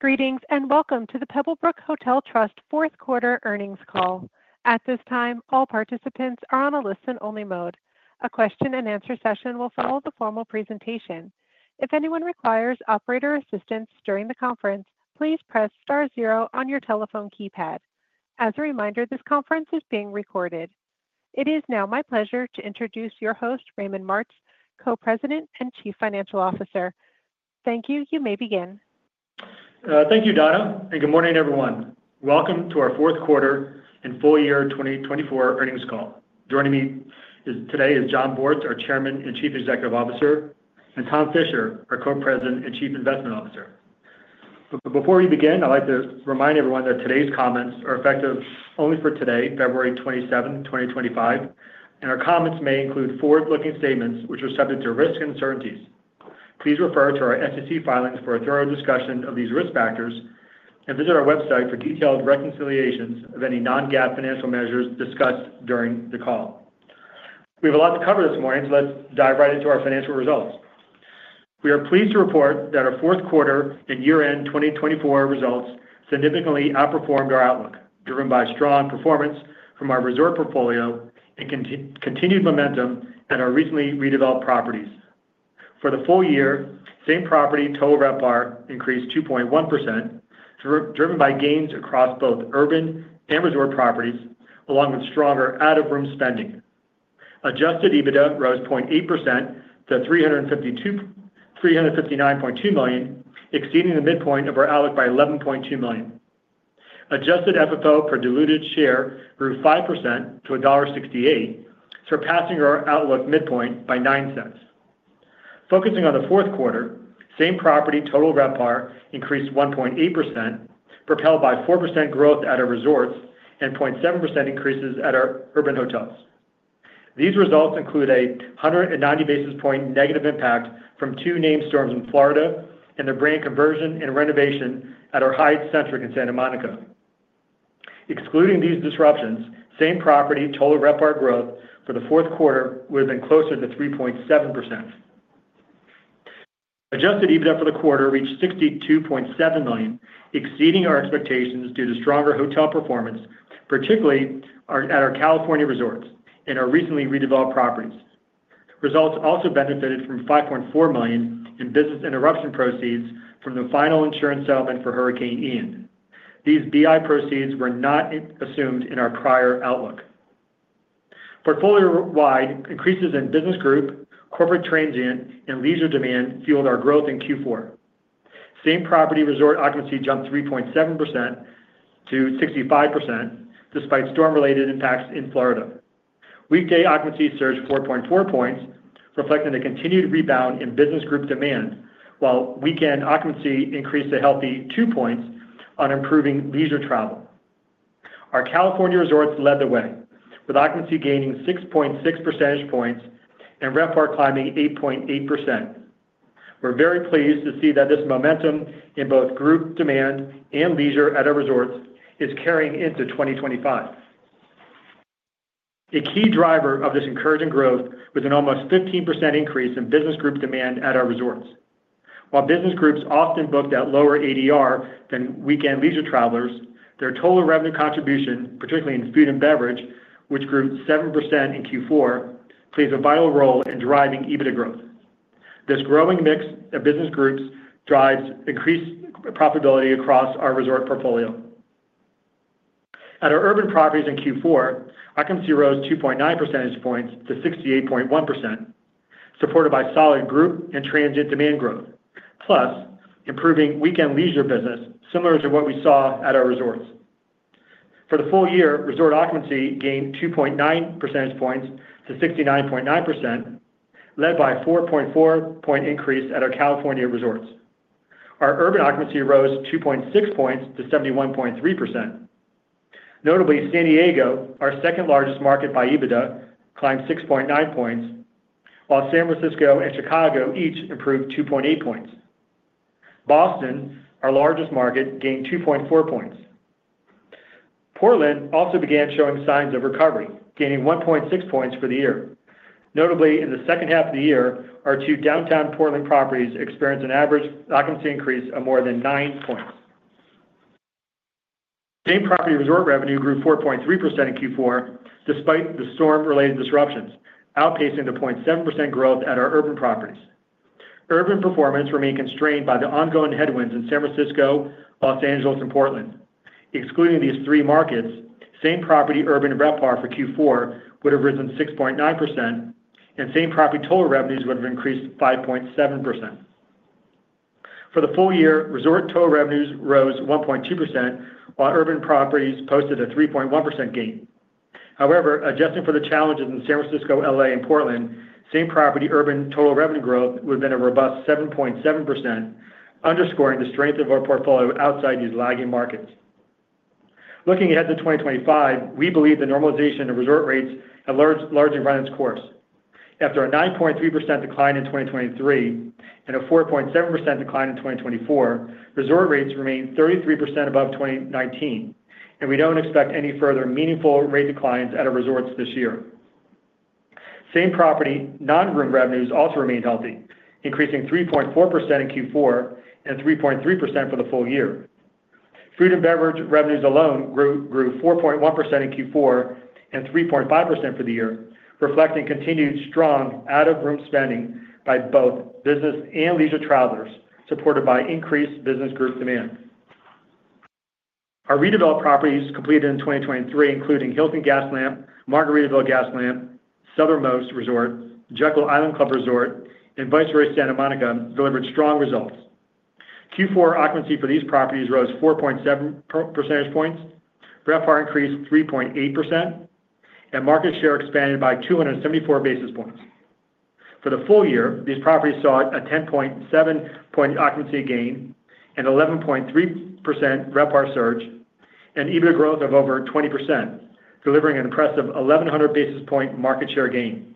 Greetings and welcome to the Pebblebrook Hotel Trust Fourth Quarter Earnings Call. At this time, all participants are on a listen-only mode. A question-and-answer session will follow the formal presentation. If anyone requires operator assistance during the conference, please press star zero on your telephone keypad. As a reminder, this conference is being recorded. It is now my pleasure to introduce your host, Raymond Martz, Co-President and Chief Financial Officer. Thank you. You may begin. Thank you, Donna, and good morning, everyone. Welcome to our fourth quarter and full year 2024 earnings call. Joining me today is Jon Bortz, our Chairman and Chief Executive Officer, and Tom Fisher, our Co-President and Chief Investment Officer. But before we begin, I'd like to remind everyone that today's comments are effective only for today, February 27, 2025, and our comments may include forward-looking statements which are subject to risks and uncertainties. Please refer to our SEC filings for a thorough discussion of these risk factors and visit our website for detailed reconciliations of any non-GAAP financial measures discussed during the call. We have a lot to cover this morning, so let's dive right into our financial results. We are pleased to report that our fourth quarter and year-end 2024 results significantly outperformed our outlook, driven by strong performance from our resort portfolio and continued momentum at our recently redeveloped properties. For the full year, Same-Property Total RevPAR increased 2.1%, driven by gains across both urban and resort properties, along with stronger out-of-room spending. Adjusted EBITDA rose 0.8% to $359.2 million, exceeding the midpoint of our outlook by $11.2 million. Adjusted FFO per diluted share grew 5% to $1.68, surpassing our outlook midpoint by $0.09. Focusing on the fourth quarter, Same-Property Total RevPAR increased 1.8%, propelled by 4% growth at our resorts and 0.7% increases at our urban hotels. These results include a 190 basis point negative impact from two named storms in Florida and the brand conversion and renovation at our Hyatt Centric in Santa Monica. Excluding these disruptions, same-property Total RevPAR growth for the fourth quarter would have been closer to 3.7%. Adjusted EBITDA for the quarter reached $62.7 million, exceeding our expectations due to stronger hotel performance, particularly at our California resorts and our recently redeveloped properties. Results also benefited from $5.4 million in business interruption proceeds from the final insurance settlement for Hurricane Ian. These BI proceeds were not assumed in our prior outlook. Portfolio-wide, increases in business group, corporate transient, and leisure demand fueled our growth in Q4. Same-property resort occupancy jumped 3.7%-65% despite storm-related impacts in Florida. Weekday occupancy surged 4.4 points, reflecting a continued rebound in business group demand, while weekend occupancy increased a healthy 2 points on improving leisure travel. Our California resorts led the way, with occupancy gaining 6.6 percentage points and RevPAR climbing 8.8%. We're very pleased to see that this momentum in both group demand and leisure at our resorts is carrying into 2025. A key driver of this encouraging growth was an almost 15% increase in business group demand at our resorts. While business groups often booked at lower ADR than weekend leisure travelers, their total revenue contribution, particularly in food and beverage, which grew 7% in Q4, plays a vital role in driving EBITDA growth. This growing mix of business groups drives increased profitability across our resort portfolio. At our urban properties in Q4, occupancy rose 2.9 percentage points to 68.1%, supported by solid group and transient demand growth, plus improving weekend leisure business similar to what we saw at our resorts. For the full year, resort occupancy gained 2.9 percentage points to 69.9%, led by a 4.4-point increase at our California resorts. Our urban occupancy rose 2.6 points to 71.3%. Notably, San Diego, our second-largest market by EBITDA, climbed 6.9 points, while San Francisco and Chicago each improved 2.8 points. Boston, our largest market, gained 2.4 points. Portland also began showing signs of recovery, gaining 1.6 points for the year. Notably, in the second half of the year, our two downtown Portland properties experienced an average occupancy increase of more than 9 points. Same property resort revenue grew 4.3% in Q4 despite the storm-related disruptions, outpacing the 0.7% growth at our urban properties. Urban performance remained constrained by the ongoing headwinds in San Francisco, Los Angeles, and Portland. Excluding these three markets, same property urban RevPAR for Q4 would have risen 6.9%, and same property total revenues would have increased 5.7%. For the full year, resort total revenues rose 1.2%, while urban properties posted a 3.1% gain. However, adjusting for the challenges in San Francisco, LA, and Portland, same property urban total revenue growth would have been a robust 7.7%, underscoring the strength of our portfolio outside these lagging markets. Looking ahead to 2025, we believe the normalization of resort rates has largely run its course. After a 9.3% decline in 2023 and a 4.7% decline in 2024, resort rates remain 33% above 2019, and we don't expect any further meaningful rate declines at our resorts this year. Same property non-room revenues also remained healthy, increasing 3.4% in Q4 and 3.3% for the full year. Food and beverage revenues alone grew 4.1% in Q4 and 3.5% for the year, reflecting continued strong out-of-room spending by both business and leisure travelers, supported by increased business group demand. Our redeveloped properties completed in 2023, including Hilton Gaslamp, Margaritaville Gaslamp, Southernmost Beach Resort, Jekyll Island Club Resort, and Viceroy Santa Monica, delivered strong results. Q4 occupancy for these properties rose 4.7 percentage points, RevPAR increased 3.8%, and market share expanded by 274 basis points. For the full year, these properties saw a 10.7-point occupancy gain and 11.3% RevPAR surge, and EBITDA growth of over 20%, delivering an impressive 1,100 basis point market share gain.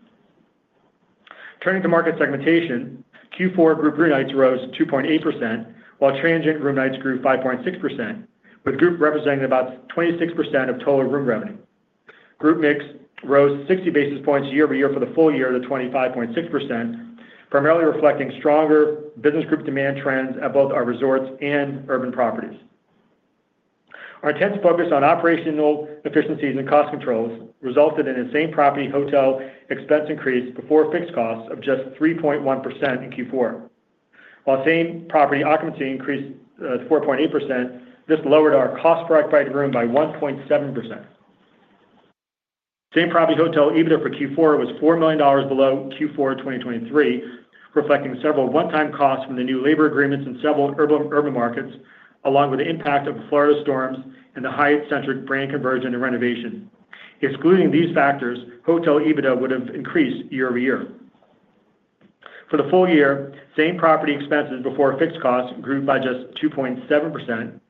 Turning to market segmentation, Q4 group room nights rose 2.8%, while transient room nights grew 5.6%, with group representing about 26% of total room revenue. Group mix rose 60 basis points year-over-year for the full year to 25.6%, primarily reflecting stronger business group demand trends at both our resorts and urban properties. Our intense focus on operational efficiencies and cost controls resulted in a same property hotel expense increase before fixed costs of just 3.1% in Q4. While same property occupancy increased 4.8%, this lowered our cost per occupied room by 1.7%. Same property hotel EBITDA for Q4 was $4 million below Q4 2023, reflecting several one-time costs from the new labor agreements in several urban markets, along with the impact of the Florida storms and the Hyatt Centric brand conversion and renovation. Excluding these factors, hotel EBITDA would have increased year-over-year. For the full year, same property expenses before fixed costs grew by just 2.7%,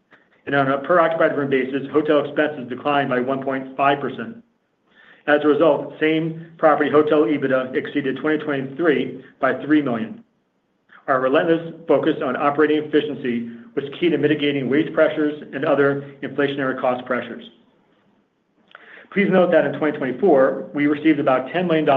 and on a per-occupied room basis, hotel expenses declined by 1.5%. As a result, same property hotel EBITDA exceeded 2023 by $3 million. Our relentless focus on operating efficiency was key to mitigating waste pressures and other inflationary cost pressures. Please note that in 2024, we received about $10 million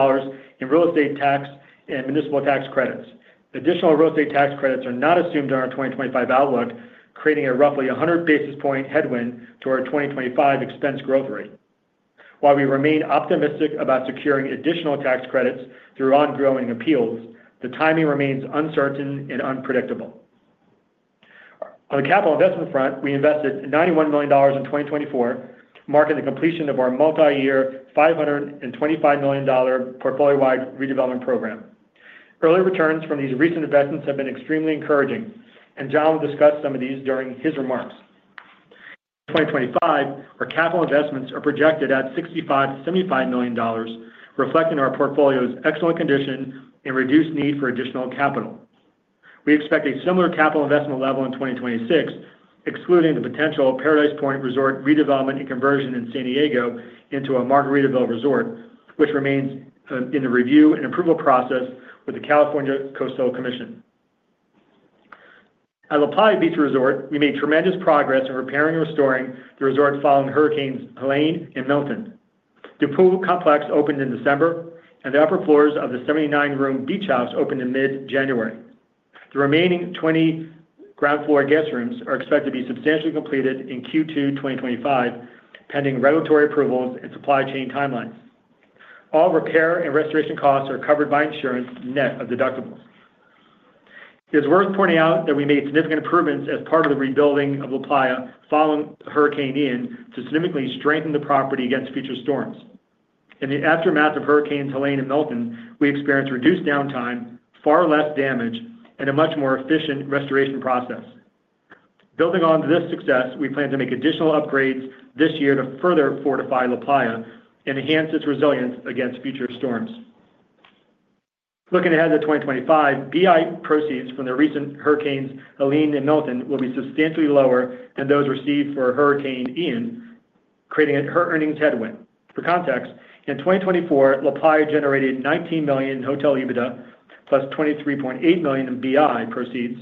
in real estate tax and municipal tax credits. Additional real estate tax credits are not assumed in our 2025 outlook, creating a roughly 100 basis point headwind to our 2025 expense growth rate. While we remain optimistic about securing additional tax credits through ongoing appeals, the timing remains uncertain and unpredictable. On the capital investment front, we invested $91 million in 2024, marking the completion of our multi-year $525 million portfolio-wide redevelopment program. Early returns from these recent investments have been extremely encouraging, and Jon will discuss some of these during his remarks. In 2025, our capital investments are projected at $65 million-$75 million, reflecting our portfolio's excellent condition and reduced need for additional capital. We expect a similar capital investment level in 2026, excluding the potential Paradise Point Resort redevelopment and conversion in San Diego into a Margaritaville Resort, which remains in the review and approval process with the California Coastal Commission. At LaPlaya Beach Resort, we made tremendous progress in repairing and restoring the resort following hurricanes Helene and Milton. The pool complex opened in December, and the upper floors of the 79-room beach house opened in mid-January. The remaining 20 ground floor guest rooms are expected to be substantially completed in Q2 2025, pending regulatory approvals and supply chain timelines. All repair and restoration costs are covered by insurance net of deductibles. It is worth pointing out that we made significant improvements as part of the rebuilding of LaPlaya following Hurricane Ian to significantly strengthen the property against future storms. In the aftermath of Hurricanes Helene and Milton, we experienced reduced downtime, far less damage, and a much more efficient restoration process. Building on this success, we plan to make additional upgrades this year to further fortify LaPlaya and enhance its resilience against future storms. Looking ahead to 2025, BI proceeds from the recent hurricanes Helene and Milton will be substantially lower than those received for Hurricane Ian, creating an earnings headwind. For context, in 2024, LaPlaya generated $19 million in hotel EBITDA, +$23.8 million in BI proceeds,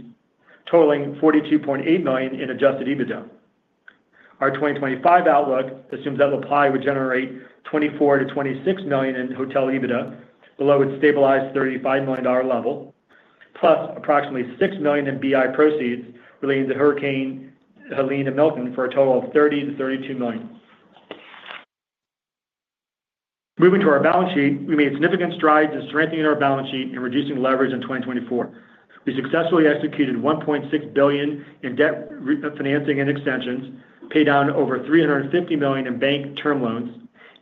totaling $42.8 million in adjusted EBITDA. Our 2025 outlook assumes that LaPlaya would generate $24 million-$26 million in hotel EBITDA below its stabilized $35 million level, plus approximately $6 million in BI proceeds relating to Hurricane Helene and Milton for a total of $30 million-32 million. Moving to our balance sheet, we made significant strides in strengthening our balance sheet and reducing leverage in 2024. We successfully executed $1.6 billion in debt financing and extensions, paid down over $350 million in bank term loans,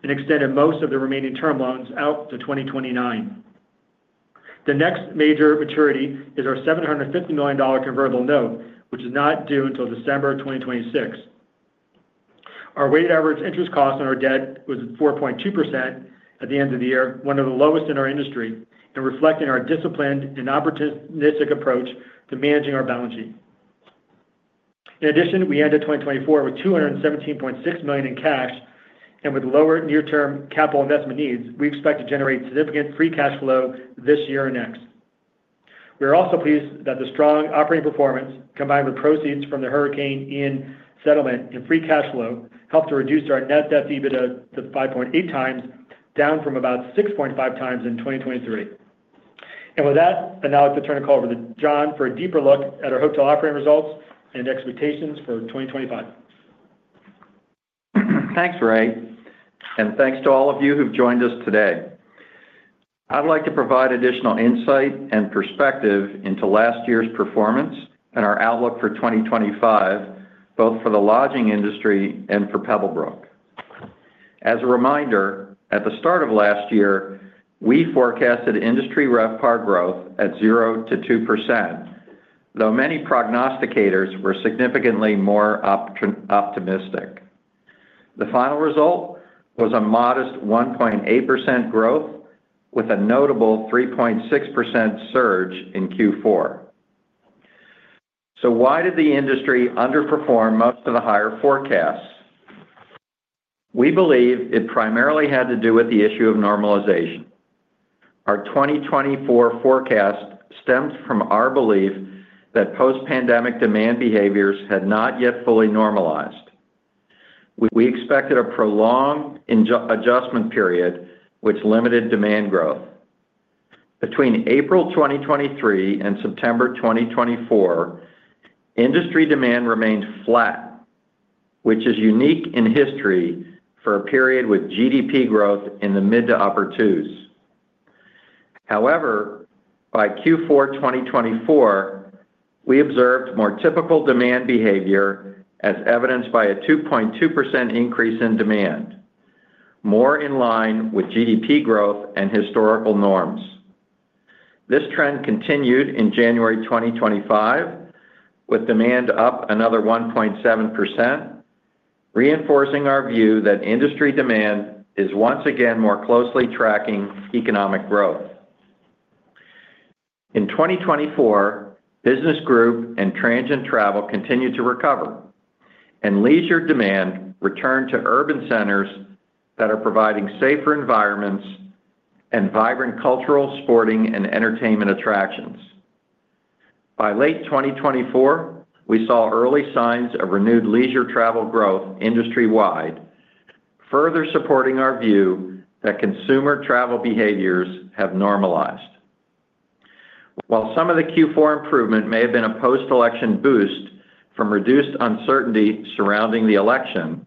and extended most of the remaining term loans out to 2029. The next major maturity is our $750 million convertible note, which is not due until December 2026. Our weighted average interest cost on our debt was 4.2% at the end of the year, one of the lowest in our industry, and reflecting our disciplined and opportunistic approach to managing our balance sheet. In addition, we ended 2024 with $217.6 million in cash, and with lower near-term capital investment needs, we expect to generate significant free cash flow this year and next. We are also pleased that the strong operating performance, combined with proceeds from the Hurricane Ian settlement and free cash flow, helped to reduce our net debt to EBITDA to 5.8x, down from about 6.5 times in 2023, and with that, I'd now like to turn the call over to Jon for a deeper look at our hotel operating results and expectations for 2025. Thanks, Ray, and thanks to all of you who've joined us today. I'd like to provide additional insight and perspective into last year's performance and our outlook for 2025, both for the lodging industry and for Pebblebrook. As a reminder, at the start of last year, we forecasted industry RevPAR growth at 0%-2%, though many prognosticators were significantly more optimistic. The final result was a modest 1.8% growth, with a notable 3.6% surge in Q4. So why did the industry underperform most of the higher forecasts? We believe it primarily had to do with the issue of normalization. Our 2024 forecast stems from our belief that post-pandemic demand behaviors had not yet fully normalized. We expected a prolonged adjustment period, which limited demand growth. Between April 2023 and September 2024, industry demand remained flat, which is unique in history for a period with GDP growth in the mid to upper twos. However, by Q4 2024, we observed more typical demand behavior, as evidenced by a 2.2% increase in demand, more in line with GDP growth and historical norms. This trend continued in January 2025, with demand up another 1.7%, reinforcing our view that industry demand is once again more closely tracking economic growth. In 2024, business group and transient travel continued to recover, and leisure demand returned to urban centers that are providing safer environments and vibrant cultural, sporting, and entertainment attractions. By late 2024, we saw early signs of renewed leisure travel growth industry-wide, further supporting our view that consumer travel behaviors have normalized. While some of the Q4 improvement may have been a post-election boost from reduced uncertainty surrounding the election,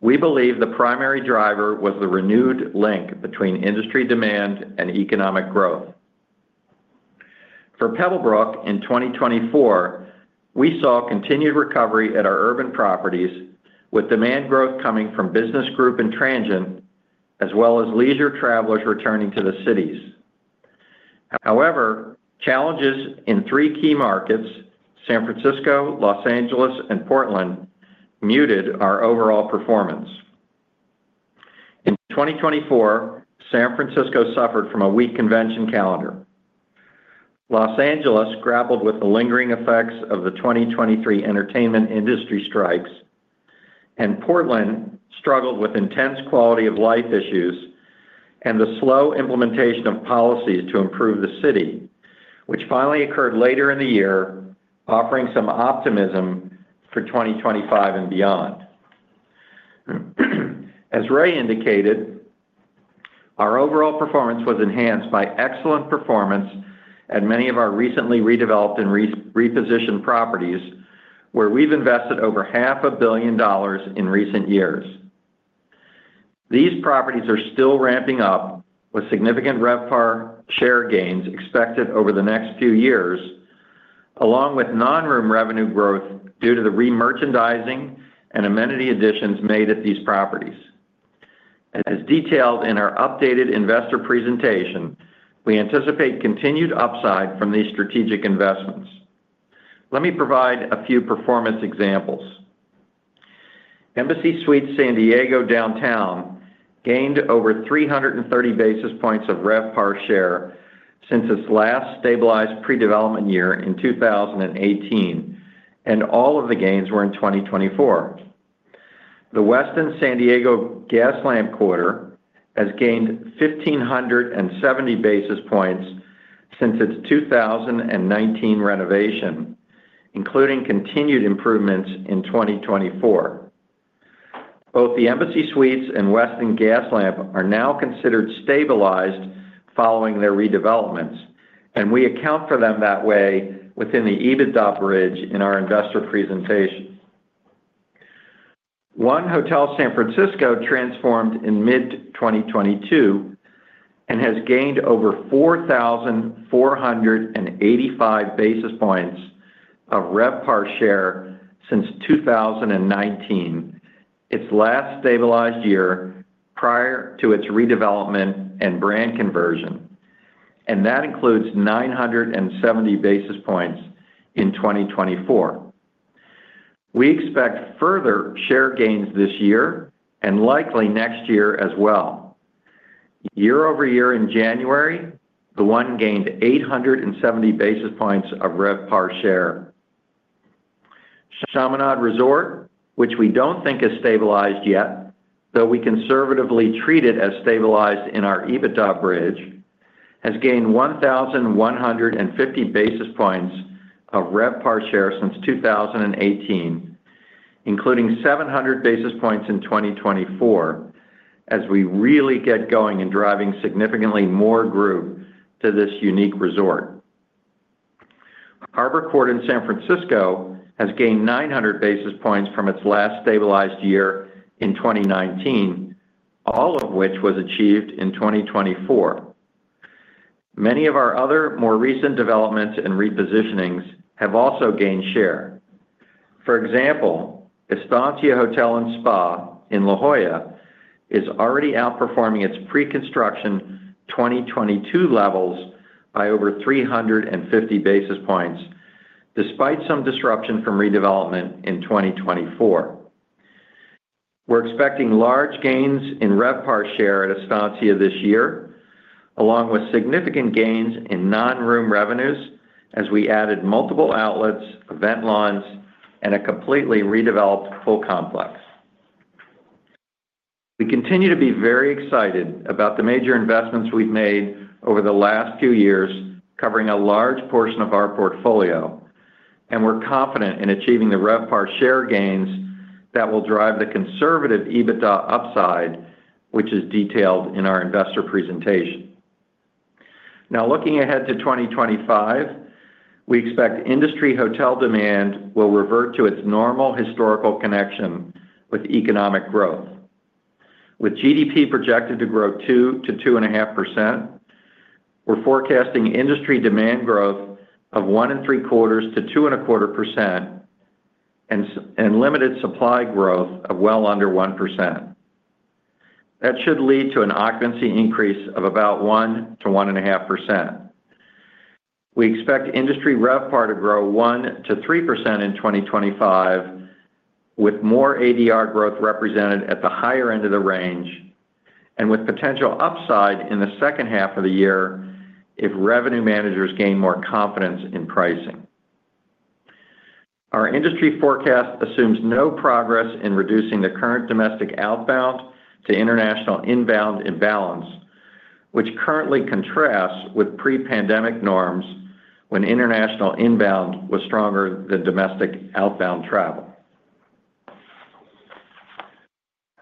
we believe the primary driver was the renewed link between industry demand and economic growth. For Pebblebrook, in 2024, we saw continued recovery at our urban properties, with demand growth coming from business group and transient, as well as leisure travelers returning to the cities. However, challenges in three key markets, San Francisco, Los Angeles, and Portland, muted our overall performance. In 2024, San Francisco suffered from a weak convention calendar. Los Angeles grappled with the lingering effects of the 2023 entertainment industry strikes, and Portland struggled with intense quality-of-life issues and the slow implementation of policies to improve the city, which finally occurred later in the year, offering some optimism for 2025 and beyond. As Ray indicated, our overall performance was enhanced by excellent performance at many of our recently redeveloped and repositioned properties, where we've invested over $500 million in recent years. These properties are still ramping up, with significant RevPAR share gains expected over the next few years, along with non-room revenue growth due to the re-merchandising and amenity additions made at these properties. As detailed in our updated investor presentation, we anticipate continued upside from these strategic investments. Let me provide a few performance examples. Embassy Suites by Hilton San Diego Bay Downtown gained over 330 basis points of RevPAR share since its last stabilized pre-development year in 2018, and all of the gains were in 2024. The Westin San Diego Gaslamp Quarter has gained 1,570 basis points since its 2019 renovation, including continued improvements in 2024. Both the Embassy Suites and Westin Gaslamp are now considered stabilized following their redevelopments, and we account for them that way within the EBITDA bridge in our investor presentation. 1 Hotel San Francisco transformed in mid-2022 and has gained over 4,485 basis points of RevPAR share since 2019, its last stabilized year prior to its redevelopment and brand conversion, and that includes 970 basis points in 2024. We expect further share gains this year and likely next year as well. Year-over-year in January, the 1 gained 870 basis points of RevPAR share, which we don't think has stabilized yet, though we conservatively treat it as stabilized in our EBITDA bridge, has gained 1,150 basis points of RevPAR share since 2018, including 700 basis points in 2024, as we really get going and driving significantly more group to this unique resort. Harbor Court in San Francisco has gained 900 basis points from its last stabilized year in 2019, all of which was achieved in 2024. Many of our other more recent developments and repositionings have also gained share. For example, Estancia Hotel & Spa in La Jolla is already outperforming its pre-construction 2022 levels by over 350 basis points, despite some disruption from redevelopment in 2024. We're expecting large gains in RevPAR share at Estancia this year, along with significant gains in non-room revenues as we added multiple outlets, event lawns, and a completely redeveloped pool complex. We continue to be very excited about the major investments we've made over the last few years covering a large portion of our portfolio, and we're confident in achieving the RevPAR share gains that will drive the conservative EBITDA upside, which is detailed in our investor presentation. Now, looking ahead to 2025, we expect industry hotel demand will revert to its normal historical connection with economic growth. With GDP projected to grow 2%-2.5%, we're forecasting industry demand growth of 1.75%-2.25% and limited supply growth of well under 1%. That should lead to an occupancy increase of about 1%-1.5%. We expect industry RevPAR to grow 1%-3% in 2025, with more ADR growth represented at the higher end of the range, and with potential upside in the second half of the year if revenue managers gain more confidence in pricing. Our industry forecast assumes no progress in reducing the current domestic outbound to international inbound imbalance, which currently contrasts with pre-pandemic norms when international inbound was stronger than domestic outbound travel.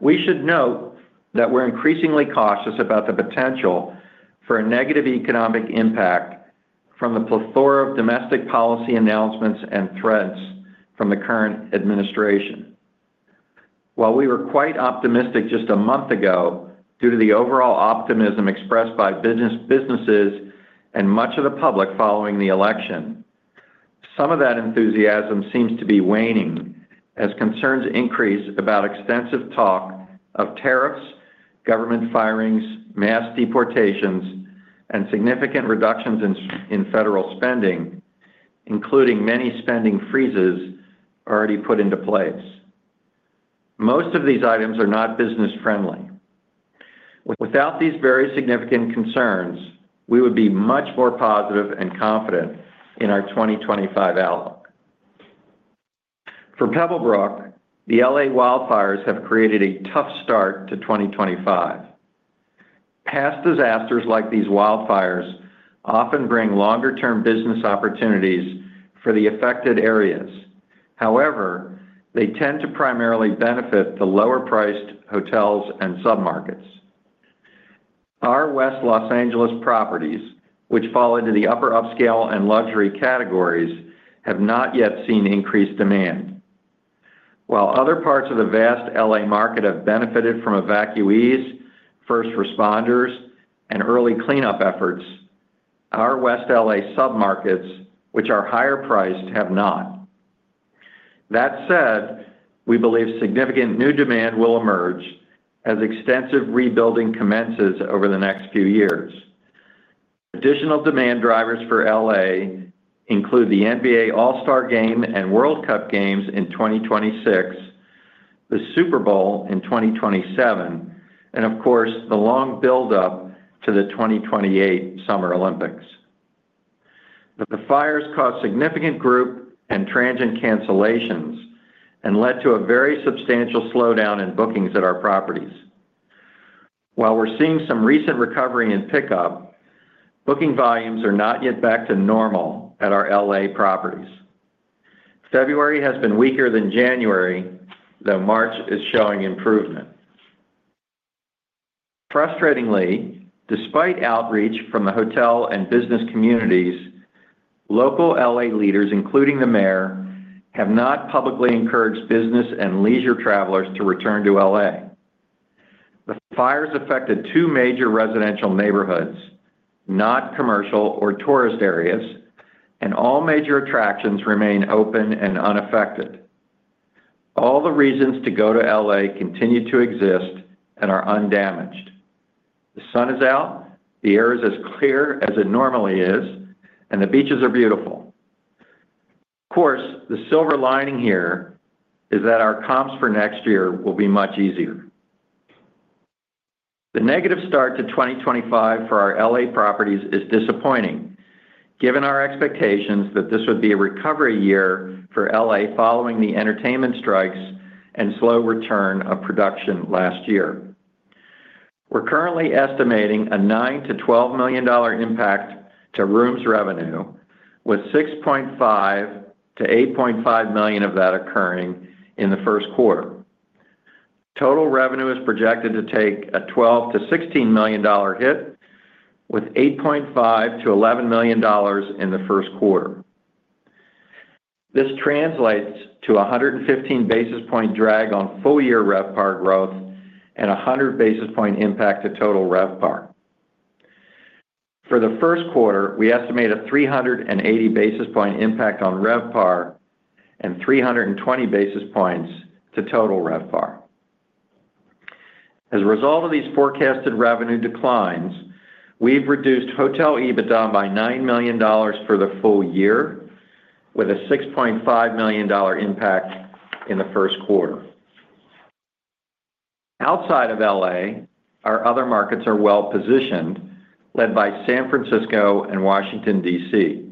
We should note that we're increasingly cautious about the potential for a negative economic impact from the plethora of domestic policy announcements and threats from the current administration. While we were quite optimistic just a month ago due to the overall optimism expressed by businesses and much of the public following the election, some of that enthusiasm seems to be waning as concerns increase about extensive talk of tariffs, government firings, mass deportations, and significant reductions in federal spending, including many spending freezes already put into place. Most of these items are not business-friendly. Without these very significant concerns, we would be much more positive and confident in our 2025 outlook. For Pebblebrook, the LA wildfires have created a tough start to 2025. Past disasters like these wildfires often bring longer-term business opportunities for the affected areas. However, they tend to primarily benefit the lower-priced hotels and submarkets. Our West Los Angeles properties, which fall into the upper upscale and luxury categories, have not yet seen increased demand. While other parts of the vast LA market have benefited from evacuees, first responders, and early cleanup efforts, our West LA submarkets, which are higher-priced, have not. That said, we believe significant new demand will emerge as extensive rebuilding commences over the next few years. Additional demand drivers for LA include the NBA All-Star Game and World Cup Games in 2026, the Super Bowl in 2027, and, of course, the long buildup to the 2028 Summer Olympics. The fires caused significant group and transient cancellations and led to a very substantial slowdown in bookings at our properties. While we're seeing some recent recovery in pickup, booking volumes are not yet back to normal at our LA properties. February has been weaker than January, though March is showing improvement. Frustratingly, despite outreach from the hotel and business communities, local LA leaders, including the mayor, have not publicly encouraged business and leisure travelers to return to LA. The fires affected two major residential neighborhoods, not commercial or tourist areas, and all major attractions remain open and unaffected. All the reasons to go to LA continue to exist and are undamaged. The sun is out, the air is as clear as it normally is, and the beaches are beautiful. Of course, the silver lining here is that our comps for next year will be much easier. The negative start to 2025 for our LA properties is disappointing, given our expectations that this would be a recovery year for LA following the entertainment strikes and slow return of production last year. We're currently estimating a $9 million-$12 million impact to rooms revenue, with $6.5 million-$8.5 million of that occurring in the first quarter. Total revenue is projected to take a $12 million-$16 million hit, with $8.5 million-$11 million in the first quarter. This translates to 115 basis point drag on full-year RevPAR growth and 100 basis point impact to Total RevPAR. For the first quarter, we estimate a 380 basis point impact on RevPAR and 320 basis points to Total RevPAR. As a result of these forecasted revenue declines, we've reduced hotel EBITDA by $9 million for the full year, with a $6.5 million impact in the first quarter. Outside of LA, our other markets are well positioned, led by San Francisco and Washington, D.C.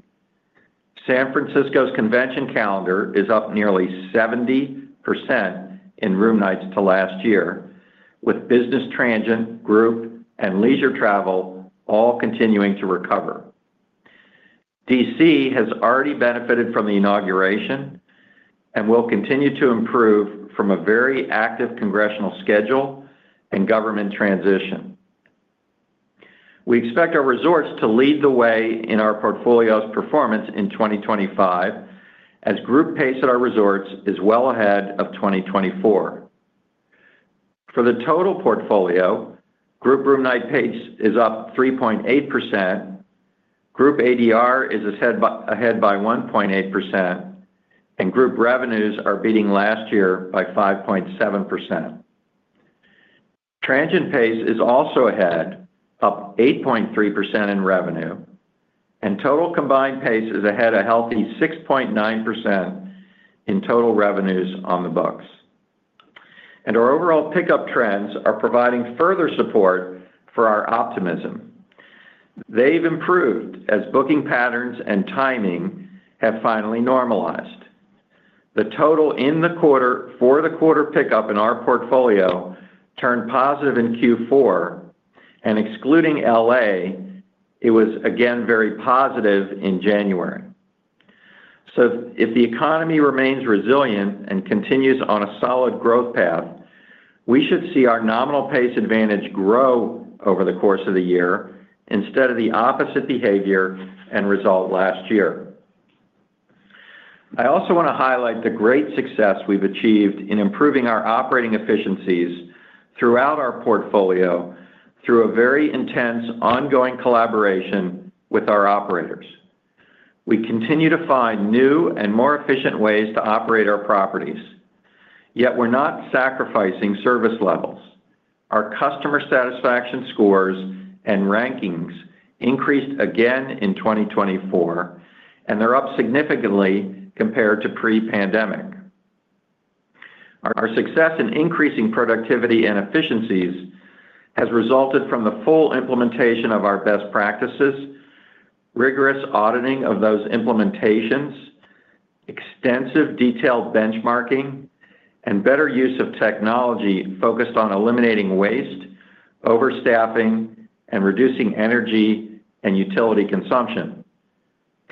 San Francisco's convention calendar is up nearly 70% in room nights to last year, with business, transient, group, and leisure travel all continuing to recover. D.C. has already benefited from the inauguration and will continue to improve from a very active congressional schedule and government transition. We expect our resorts to lead the way in our portfolio's performance in 2025, as group pace at our resorts is well ahead of 2024. For the total portfolio, group room night pace is up 3.8%, group ADR is ahead by 1.8%, and group revenues are beating last year by 5.7%. Transient pace is also ahead, up 8.3% in revenue, and total combined pace is ahead a healthy 6.9% in total revenues on the books, and our overall pickup trends are providing further support for our optimism. They've improved as booking patterns and timing have finally normalized. The total in the quarter for the quarter pickup in our portfolio turned positive in Q4, and excluding LA, it was again very positive in January. So if the economy remains resilient and continues on a solid growth path, we should see our nominal pace advantage grow over the course of the year instead of the opposite behavior and result last year. I also want to highlight the great success we've achieved in improving our operating efficiencies throughout our portfolio through a very intense ongoing collaboration with our operators. We continue to find new and more efficient ways to operate our properties, yet we're not sacrificing service levels. Our customer satisfaction scores and rankings increased again in 2024, and they're up significantly compared to pre-pandemic. Our success in increasing productivity and efficiencies has resulted from the full implementation of our best practices, rigorous auditing of those implementations, extensive detailed benchmarking, and better use of technology focused on eliminating waste, overstaffing, and reducing energy and utility consumption,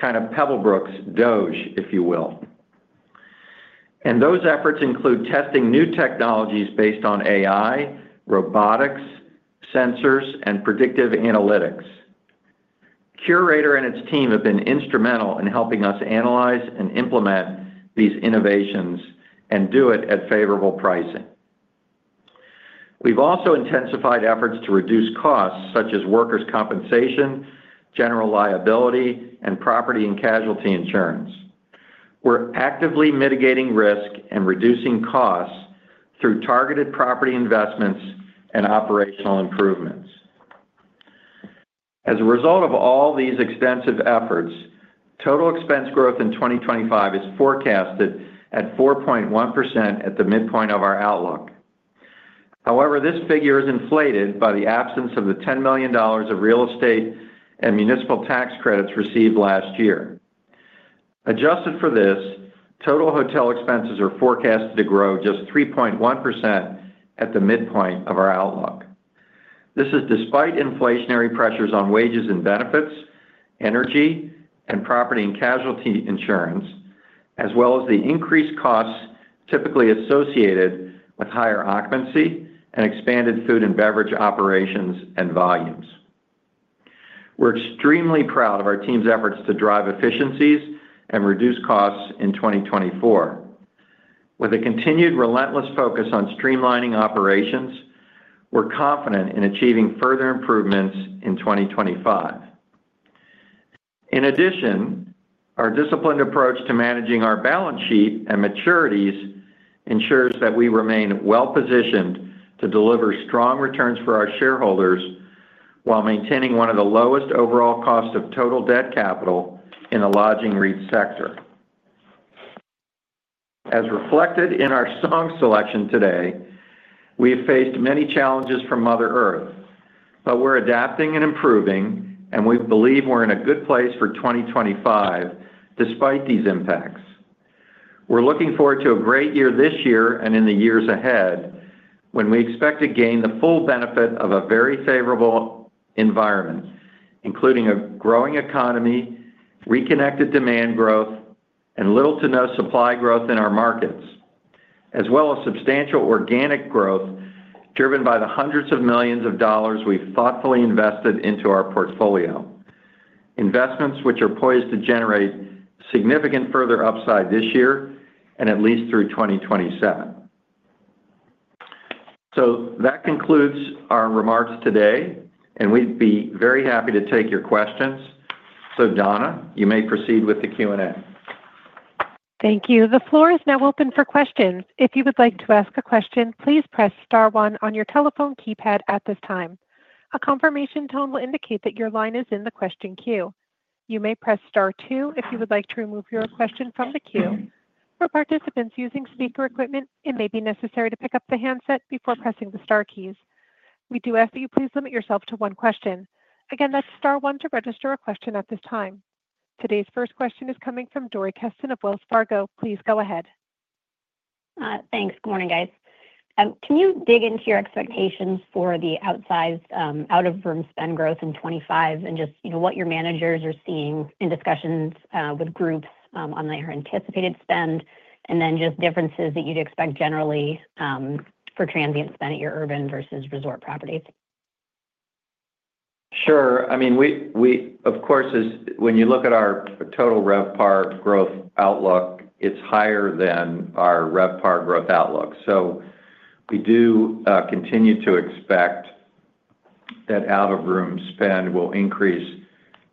kind of Pebblebrook's DOGE, if you will, and those efforts include testing new technologies based on AI, robotics, sensors, and predictive analytics. Curator and its team have been instrumental in helping us analyze and implement these innovations and do it at favorable pricing. We've also intensified efforts to reduce costs such as workers' compensation, general liability, and property and casualty insurance. We're actively mitigating risk and reducing costs through targeted property investments and operational improvements. As a result of all these extensive efforts, total expense growth in 2025 is forecasted at 4.1% at the midpoint of our outlook. However, this figure is inflated by the absence of the $10 million of real estate and municipal tax credits received last year. Adjusted for this, total hotel expenses are forecast to grow just 3.1% at the midpoint of our outlook. This is despite inflationary pressures on wages and benefits, energy, and property and casualty insurance, as well as the increased costs typically associated with higher occupancy and expanded food and beverage operations and volumes. We're extremely proud of our team's efforts to drive efficiencies and reduce costs in 2024. With a continued relentless focus on streamlining operations, we're confident in achieving further improvements in 2025. In addition, our disciplined approach to managing our balance sheet and maturities ensures that we remain well positioned to deliver strong returns for our shareholders while maintaining one of the lowest overall costs of total debt capital in the lodging REIT sector. As reflected in our song selection today, we have faced many challenges from Mother Earth, but we're adapting and improving, and we believe we're in a good place for 2025 despite these impacts. We're looking forward to a great year this year and in the years ahead when we expect to gain the full benefit of a very favorable environment, including a growing economy, reconnected demand growth, and little to no supply growth in our markets, as well as substantial organic growth driven by the hundreds of millions of dollars we've thoughtfully invested into our portfolio, investments which are poised to generate significant further upside this year and at least through 2027. That concludes our remarks today, and we'd be very happy to take your questions. Donna, you may proceed with the Q&A. Thank you. The floor is now open for questions. If you would like to ask a question, please press star one on your telephone keypad at this time. A confirmation tone will indicate that your line is in the question queue. You may press star two if you would like to remove your question from the queue. For participants using speaker equipment, it may be necessary to pick up the handset before pressing the star keys. We do ask that you please limit yourself to one question. Again, that's star one to register a question at this time. Today's first question is coming from Dori Kesten of Wells Fargo. Please go ahead. Thanks. Good morning, guys. Can you dig into your expectations for the out-of-room spend growth in '25 and just what your managers are seeing in discussions with groups on their anticipated spend, and then just differences that you'd expect generally for transient spend at your urban versus resort properties? Sure. I mean, of course, when you look at our Total RevPAR growth outlook, it's higher than our RevPAR growth outlook. So we do continue to expect that out-of-room spend will increase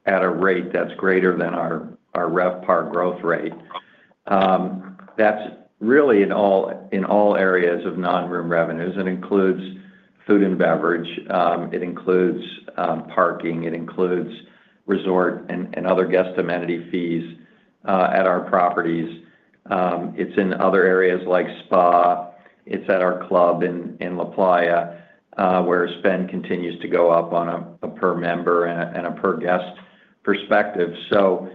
at a rate that's greater than our RevPAR growth rate. That's really in all areas of non-room revenues. It includes food and beverage. It includes parking. It includes resort and other guest amenity fees at our properties. It's in other areas like spa. It's at our club in LaPlaya, where spend continues to go up on a per member and a per guest perspective. So,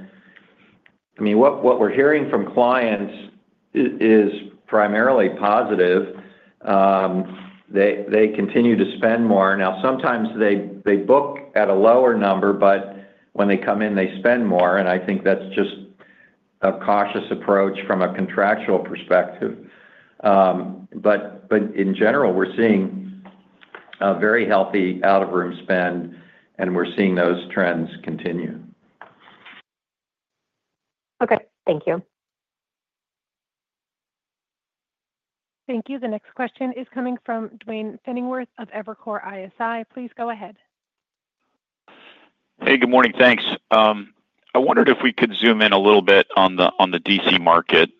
I mean, what we're hearing from clients is primarily positive. They continue to spend more. Now, sometimes they book at a lower number, but when they come in, they spend more. And I think that's just a cautious approach from a contractual perspective. But in general, we're seeing very healthy out-of-room spend, and we're seeing those trends continue. Okay. Thank you. Thank you. The next question is coming from Duane Pfennigwerth of Evercore ISI. Please go ahead. Hey, good morning. Thanks. I wondered if we could zoom in a little bit on the D.C. market.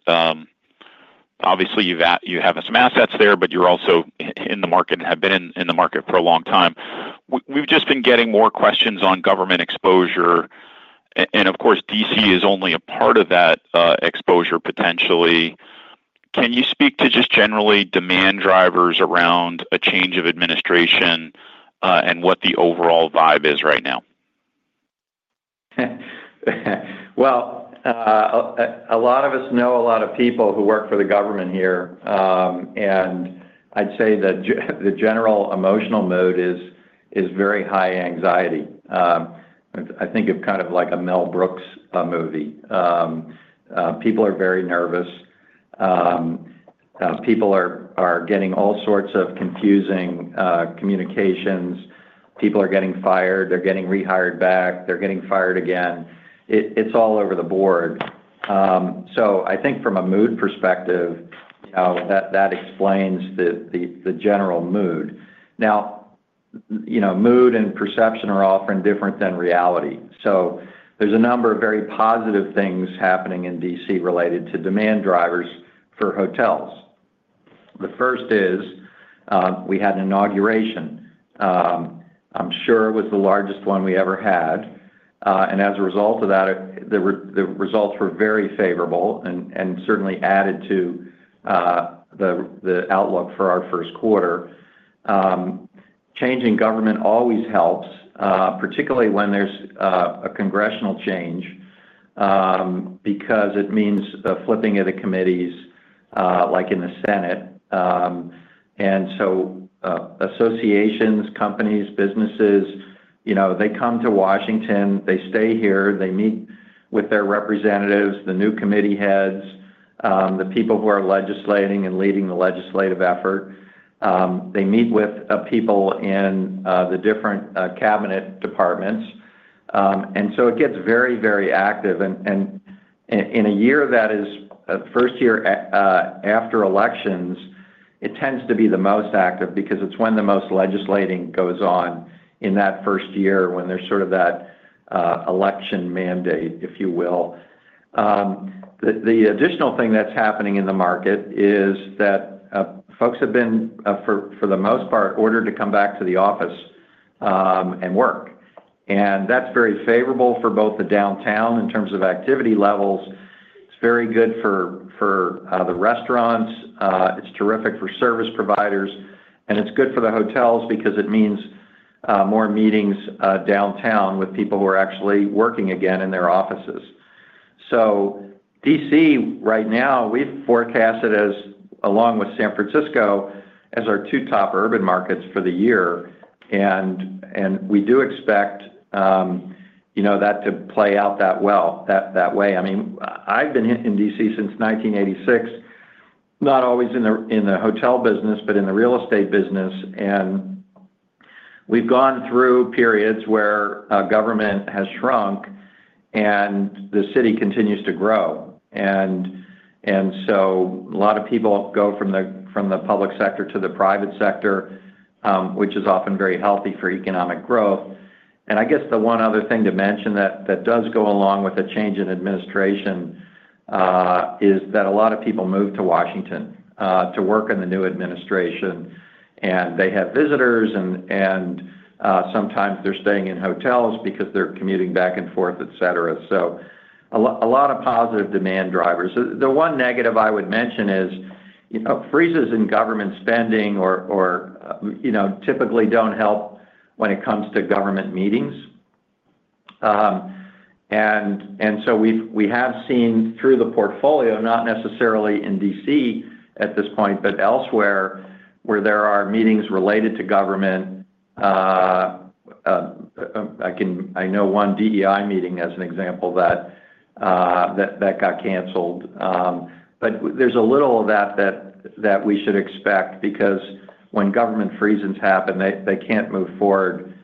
Obviously, you have some assets there, but you're also in the market and have been in the market for a long time. We've just been getting more questions on government exposure. And of course, D.C. is only a part of that exposure potentially. Can you speak to just generally demand drivers around a change of administration and what the overall vibe is right now? A lot of us know a lot of people who work for the government here, and I'd say the general emotional mood is very high anxiety. I think of kind of like a Mel Brooks movie. People are very nervous. People are getting all sorts of confusing communications. People are getting fired. They're getting rehired back. They're getting fired again. It's all over the board. So I think from a mood perspective, that explains the general mood. Now, mood and perception are often different than reality. So there's a number of very positive things happening in D.C. related to demand drivers for hotels. The first is we had an inauguration. I'm sure it was the largest one we ever had. And as a result of that, the results were very favorable and certainly added to the outlook for our first quarter. Changing government always helps, particularly when there's a congressional change, because it means flipping of the committees like in the Senate. And so associations, companies, businesses, they come to Washington. They stay here. They meet with their representatives, the new committee heads, the people who are legislating and leading the legislative effort. They meet with people in the different cabinet departments. And so it gets very, very active. And in a year that is the first year after elections, it tends to be the most active because it's when the most legislating goes on in that first year when there's sort of that election mandate, if you will. The additional thing that's happening in the market is that folks have been, for the most part, ordered to come back to the office and work, and that's very favorable for both the downtown in terms of activity levels. It's very good for the restaurants. It's terrific for service providers, and it's good for the hotels because it means more meetings downtown with people who are actually working again in their offices, so D.C. right now, we've forecast it as, along with San Francisco, as our two top urban markets for the year, and we do expect that to play out that well that way. I mean, I've been in D.C. since 1986, not always in the hotel business, but in the real estate business, and we've gone through periods where government has shrunk and the city continues to grow. A lot of people go from the public sector to the private sector, which is often very healthy for economic growth. I guess the one other thing to mention that does go along with a change in administration is that a lot of people move to Washington, D.C. to work in the new administration. They have visitors, and sometimes they're staying in hotels because they're commuting back and forth, etc. So a lot of positive demand drivers. The one negative I would mention is freezes in government spending typically don't help when it comes to government meetings. We have seen through the portfolio, not necessarily in D.C. at this point, but elsewhere where there are meetings related to government. I know one DEI meeting as an example that got canceled. But there's a little of that that we should expect because when government freezes happen, they can't move forward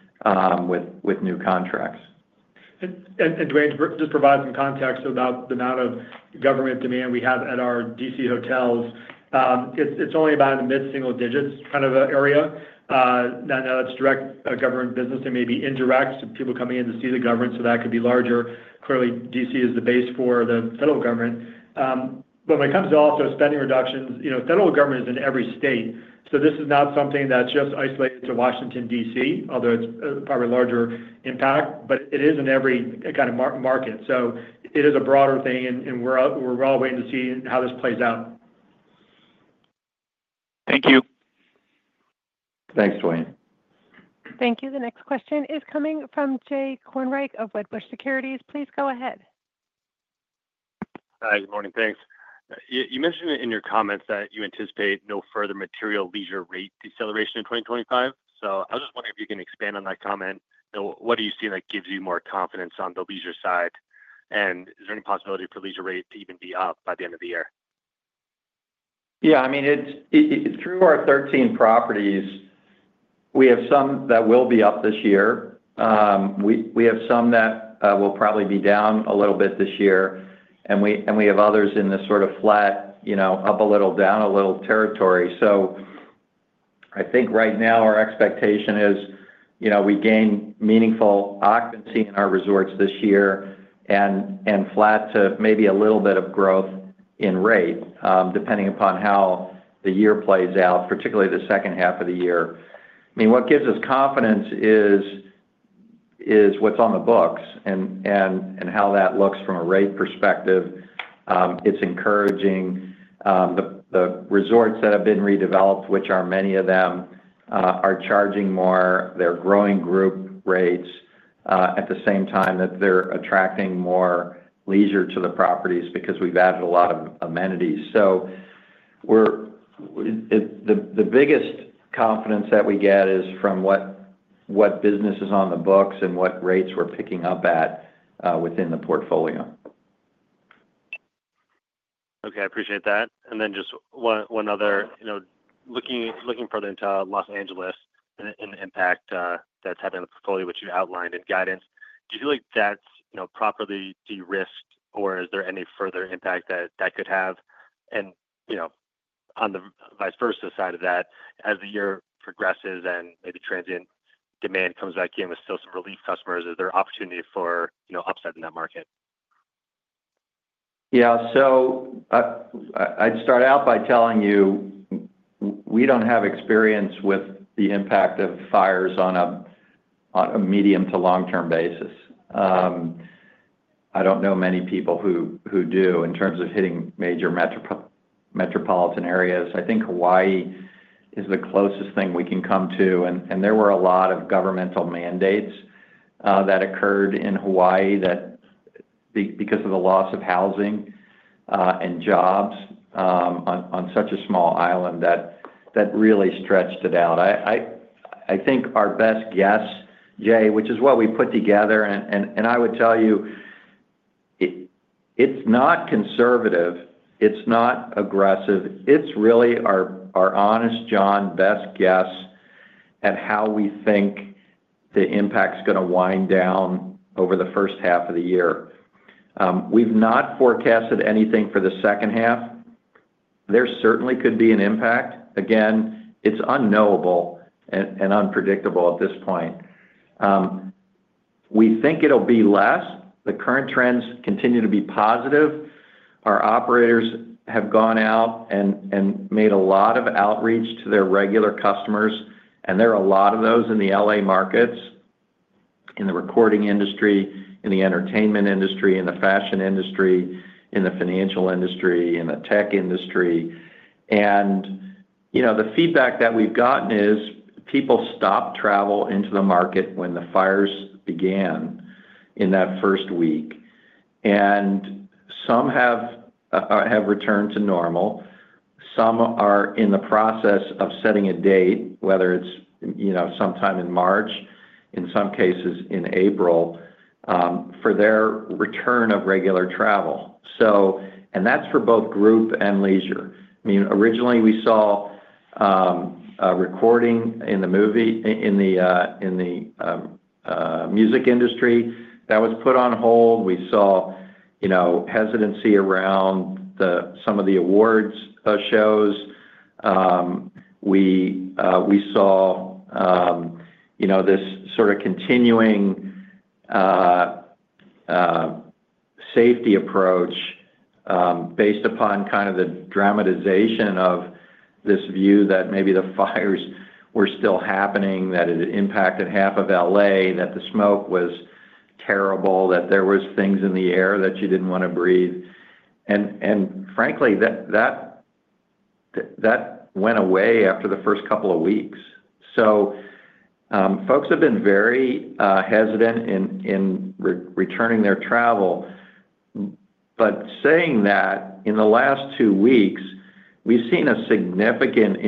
with new contracts. And Duane, just provide some context about the amount of government demand we have at our D.C. hotels. It's only about in the mid-single digits kind of area. Now, that's direct government business. It may be indirect to people coming in to see the government, so that could be larger. Clearly, D.C. is the base for the federal government. But when it comes to also spending reductions, the federal government is in every state. So this is not something that's just isolated to Washington, D.C. although it's probably a larger impact, but it is in every kind of market. So it is a broader thing, and we're all waiting to see how this plays out. Thank you. Thanks, Duane. Thank you. The next question is coming from Jay Kornreich of Wedbush Securities. Please go ahead. Hi. Good morning. Thanks. You mentioned in your comments that you anticipate no further material leisure rate deceleration in 2025. So I was just wondering if you can expand on that comment. What do you see that gives you more confidence on the leisure side? And is there any possibility for leisure rate to even be up by the end of the year? Yeah. I mean, through our 13 properties, we have some that will be up this year. We have some that will probably be down a little bit this year. And we have others in this sort of flat, up a little, down a little territory. So I think right now our expectation is we gain meaningful occupancy in our resorts this year and flat to maybe a little bit of growth in rate, depending upon how the year plays out, particularly the second half of the year. I mean, what gives us confidence is what's on the books and how that looks from a rate perspective. It's encouraging. The resorts that have been redeveloped, which are many of them, are charging more. They're growing group rates at the same time that they're attracting more leisure to the properties because we've added a lot of amenities. So the biggest confidence that we get is from what business is on the books and what rates we're picking up at within the portfolio. Okay. I appreciate that. And then just one other, looking further into Los Angeles and the impact that's happening in the portfolio, which you outlined in guidance, do you feel like that's properly de-risked, or is there any further impact that that could have? And on the vice versa side of that, as the year progresses and maybe transient demand comes back in with still some relief customers, is there opportunity for upside in that market? Yeah. So I'd start out by telling you we don't have experience with the impact of fires on a medium to long-term basis. I don't know many people who do in terms of hitting major metropolitan areas. I think Hawaii is the closest thing we can come to. And there were a lot of governmental mandates that occurred in Hawaii because of the loss of housing and jobs on such a small island that really stretched it out. I think our best guess, Jay, which is what we put together, and I would tell you it's not conservative. It's not aggressive. It's really our honest best guess at how we think the impact's going to wind down over the first half of the year. We've not forecasted anything for the second half. There certainly could be an impact. Again, it's unknowable and unpredictable at this point. We think it'll be less. The current trends continue to be positive. Our operators have gone out and made a lot of outreach to their regular customers. And there are a lot of those in the LA markets, in the recording industry, in the entertainment industry, in the fashion industry, in the financial industry, in the tech industry. And the feedback that we've gotten is people stopped travel into the market when the fires began in that first week. Some have returned to normal. Some are in the process of setting a date, whether it's sometime in March, in some cases in April, for their return of regular travel. And that's for both group and leisure. I mean, originally, we saw recording in the movie in the music industry that was put on hold. We saw hesitancy around some of the awards shows. We saw this sort of continuing safety approach based upon kind of the dramatization of this view that maybe the fires were still happening, that it impacted half of LA, that the smoke was terrible, that there were things in the air that you didn't want to breathe. And frankly, that went away after the first couple of weeks. So folks have been very hesitant in returning their travel. But saying that, in the last two weeks, we've seen a significant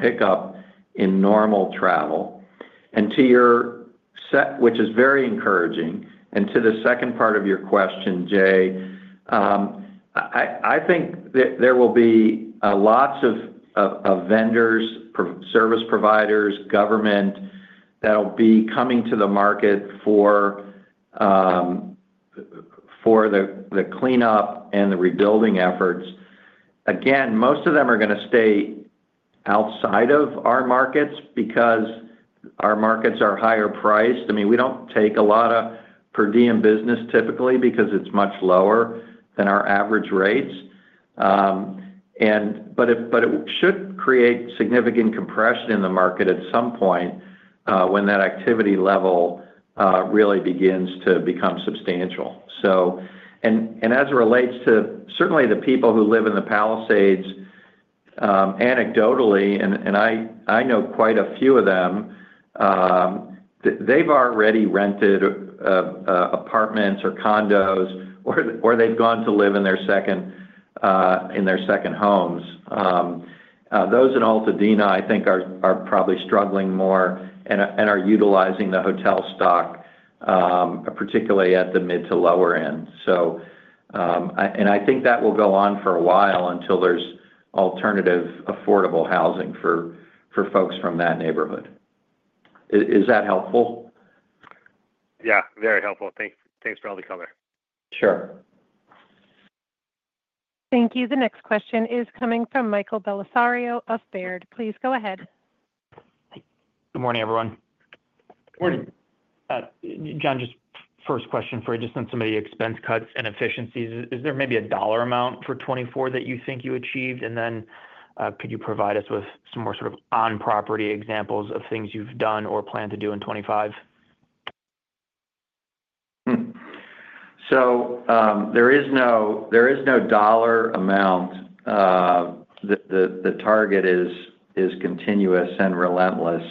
pickup in normal travel. To your set, which is very encouraging. To the second part of your question, Jay, I think there will be lots of vendors, service providers, government that'll be coming to the market for the cleanup and the rebuilding efforts. Again, most of them are going to stay outside of our markets because our markets are higher priced. I mean, we don't take a lot of per diem business typically because it's much lower than our average rates. But it should create significant compression in the market at some point when that activity level really begins to become substantial. As it relates to certainly the people who live in the Palisades, anecdotally, and I know quite a few of them, they've already rented apartments or condos, or they've gone to live in their second homes. Those in Altadena, I think, are probably struggling more and are utilizing the hotel stock, particularly at the mid to lower end, and I think that will go on for a while until there's alternative affordable housing for folks from that neighborhood. Is that helpful? Yeah. Very helpful. Thanks for all the color. Sure. Thank you. The next question is coming from Michael Bellisario of Baird. Please go ahead. Good morning, everyone. Good morning. Jon, first question for you. Just on some of the expense cuts and efficiencies, is there maybe a dollar amount for 2024 that you think you achieved? And then could you provide us with some more sort of on-property examples of things you've done or plan to do in 2025? There is no dollar amount. The target is continuous and relentless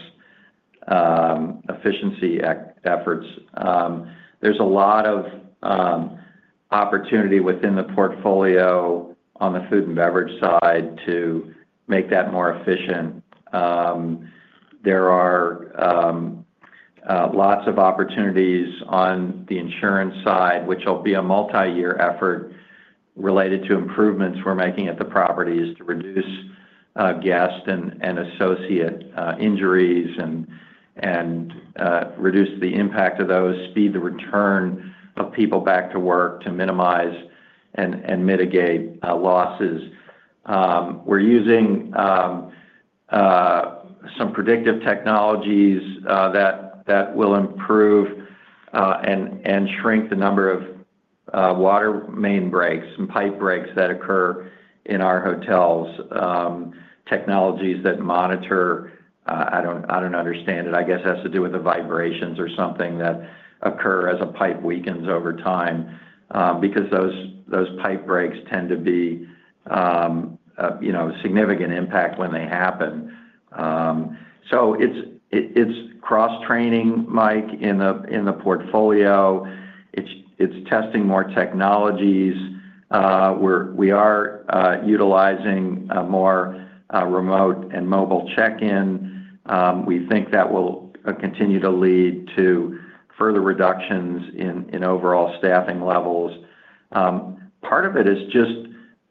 efficiency efforts. There's a lot of opportunity within the portfolio on the food and beverage side to make that more efficient. There are lots of opportunities on the insurance side, which will be a multi-year effort related to improvements we're making at the properties to reduce guest and associate injuries and reduce the impact of those, speed the return of people back to work to minimize and mitigate losses. We're using some predictive technologies that will improve and shrink the number of water main breaks and pipe breaks that occur in our hotels, technologies that monitor. I don't understand it. I guess it has to do with the vibrations or something that occur as a pipe weakens over time because those pipe breaks tend to be a significant impact when they happen. So it's cross-training, Mike, in the portfolio. It's testing more technologies. We are utilizing more remote and mobile check-in. We think that will continue to lead to further reductions in overall staffing levels. Part of it is just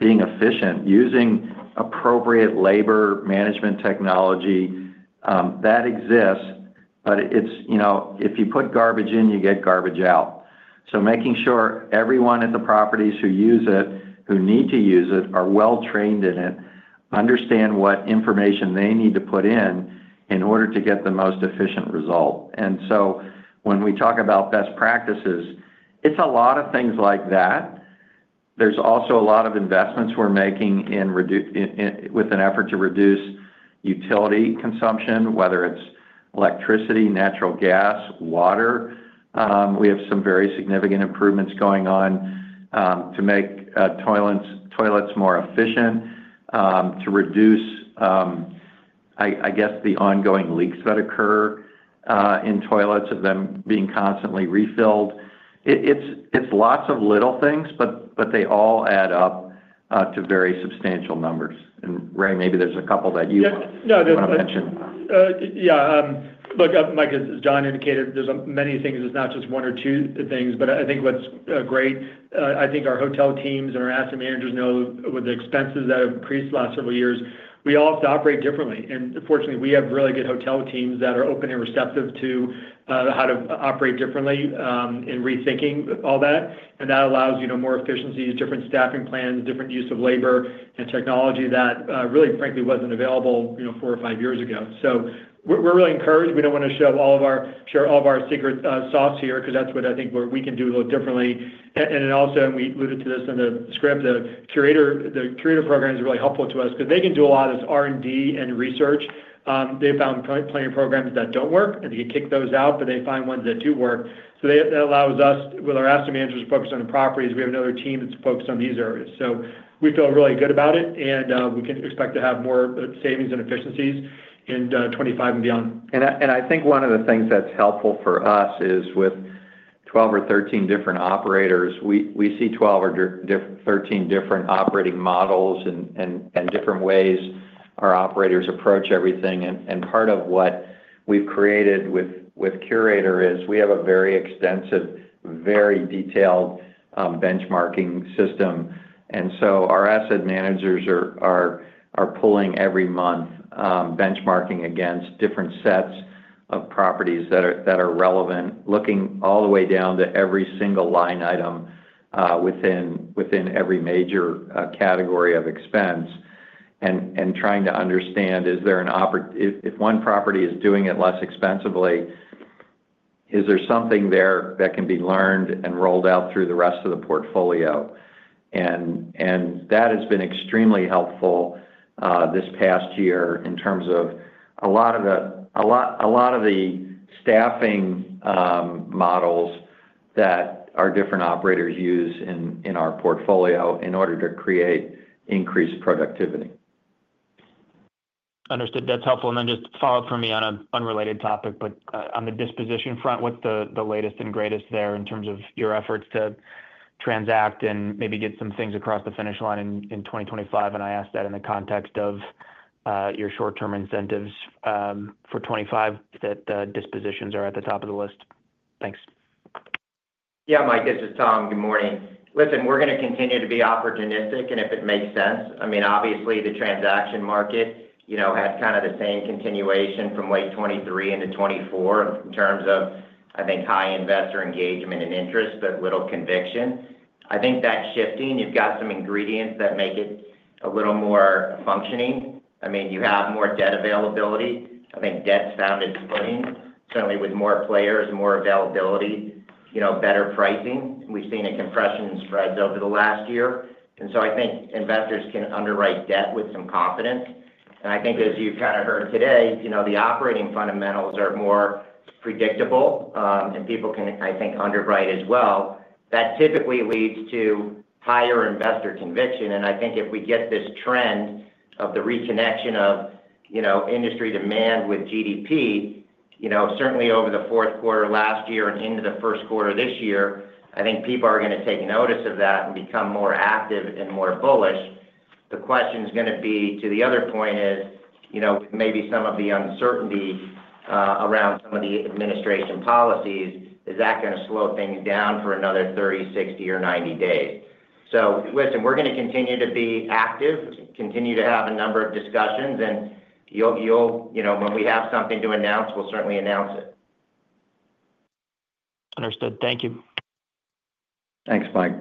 being efficient, using appropriate labor management technology. That exists, but if you put garbage in, you get garbage out. So making sure everyone at the properties who use it, who need to use it, are well-trained in it, understand what information they need to put in in order to get the most efficient result. And so when we talk about best practices, it's a lot of things like that. There's also a lot of investments we're making with an effort to reduce utility consumption, whether it's electricity, natural gas, water. We have some very significant improvements going on to make toilets more efficient, to reduce, I guess, the ongoing leaks that occur in toilets of them being constantly refilled. It's lots of little things, but they all add up to very substantial numbers. And Ray, maybe there's a couple that you want to mention. Yeah. Look, Mike, as John indicated, there's many things. It's not just one or two things. But I think what's great, I think our hotel teams and our asset managers know with the expenses that have increased the last several years, we all have to operate differently. And fortunately, we have really good hotel teams that are open and receptive to how to operate differently and rethinking all that. And that allows more efficiencies, different staffing plans, different use of labor, and technology that really, frankly, wasn't available four or five years ago. So we're really encouraged. We don't want to show all of our secret sauce here because that's what I think we can do a little differently. And also, and we alluded to this in the script, the Curator programs are really helpful to us because they can do a lot of this R&D and research. They found plenty of programs that don't work, and they can kick those out, but they find ones that do work. So that allows us, with our asset managers focused on the properties, we have another team that's focused on these areas. So we feel really good about it, and we can expect to have more savings and efficiencies in 2025 and beyond. And I think one of the things that's helpful for us is with 12 or 13 different operators, we see 12 or 13 different operating models and different ways our operators approach everything. And part of what we've created with Curator is we have a very extensive, very detailed benchmarking system. So our asset managers are pulling every month, benchmarking against different sets of properties that are relevant, looking all the way down to every single line item within every major category of expense and trying to understand, if one property is doing it less expensively, is there something there that can be learned and rolled out through the rest of the portfolio? That has been extremely helpful this past year in terms of a lot of the staffing models that our different operators use in our portfolio in order to create increased productivity. Understood. That's helpful. Then just follow up for me on an unrelated topic, but on the disposition front, what's the latest and greatest there in terms of your efforts to transact and maybe get some things across the finish line in 2025? And I ask that in the context of your short-term incentives for 2025. That dispositions are at the top of the list. Thanks. Yeah, Mike, this is Tom. Good morning. Listen, we're going to continue to be opportunistic, and if it makes sense. I mean, obviously, the transaction market had kind of the same continuation from late 2023 into 2024 in terms of, I think, high investor engagement and interest, but little conviction. I think that's shifting. You've got some ingredients that make it a little more functioning. I mean, you have more debt availability. I think debt's found its footing. Certainly, with more players, more availability, better pricing, we've seen a compression in spreads over the last year. And so I think investors can underwrite debt with some confidence. I think, as you've kind of heard today, the operating fundamentals are more predictable, and people can, I think, underwrite as well. That typically leads to higher investor conviction. I think if we get this trend of the reconnection of industry demand with GDP, certainly over the fourth quarter last year and into the first quarter this year, I think people are going to take notice of that and become more active and more bullish. The question is going to be, to the other point, is maybe some of the uncertainty around some of the administration policies, is that going to slow things down for another 30, 60, or 90 days? So listen, we're going to continue to be active, continue to have a number of discussions, and when we have something to announce, we'll certainly announce it. Understood. Thank you. Thanks, Mike.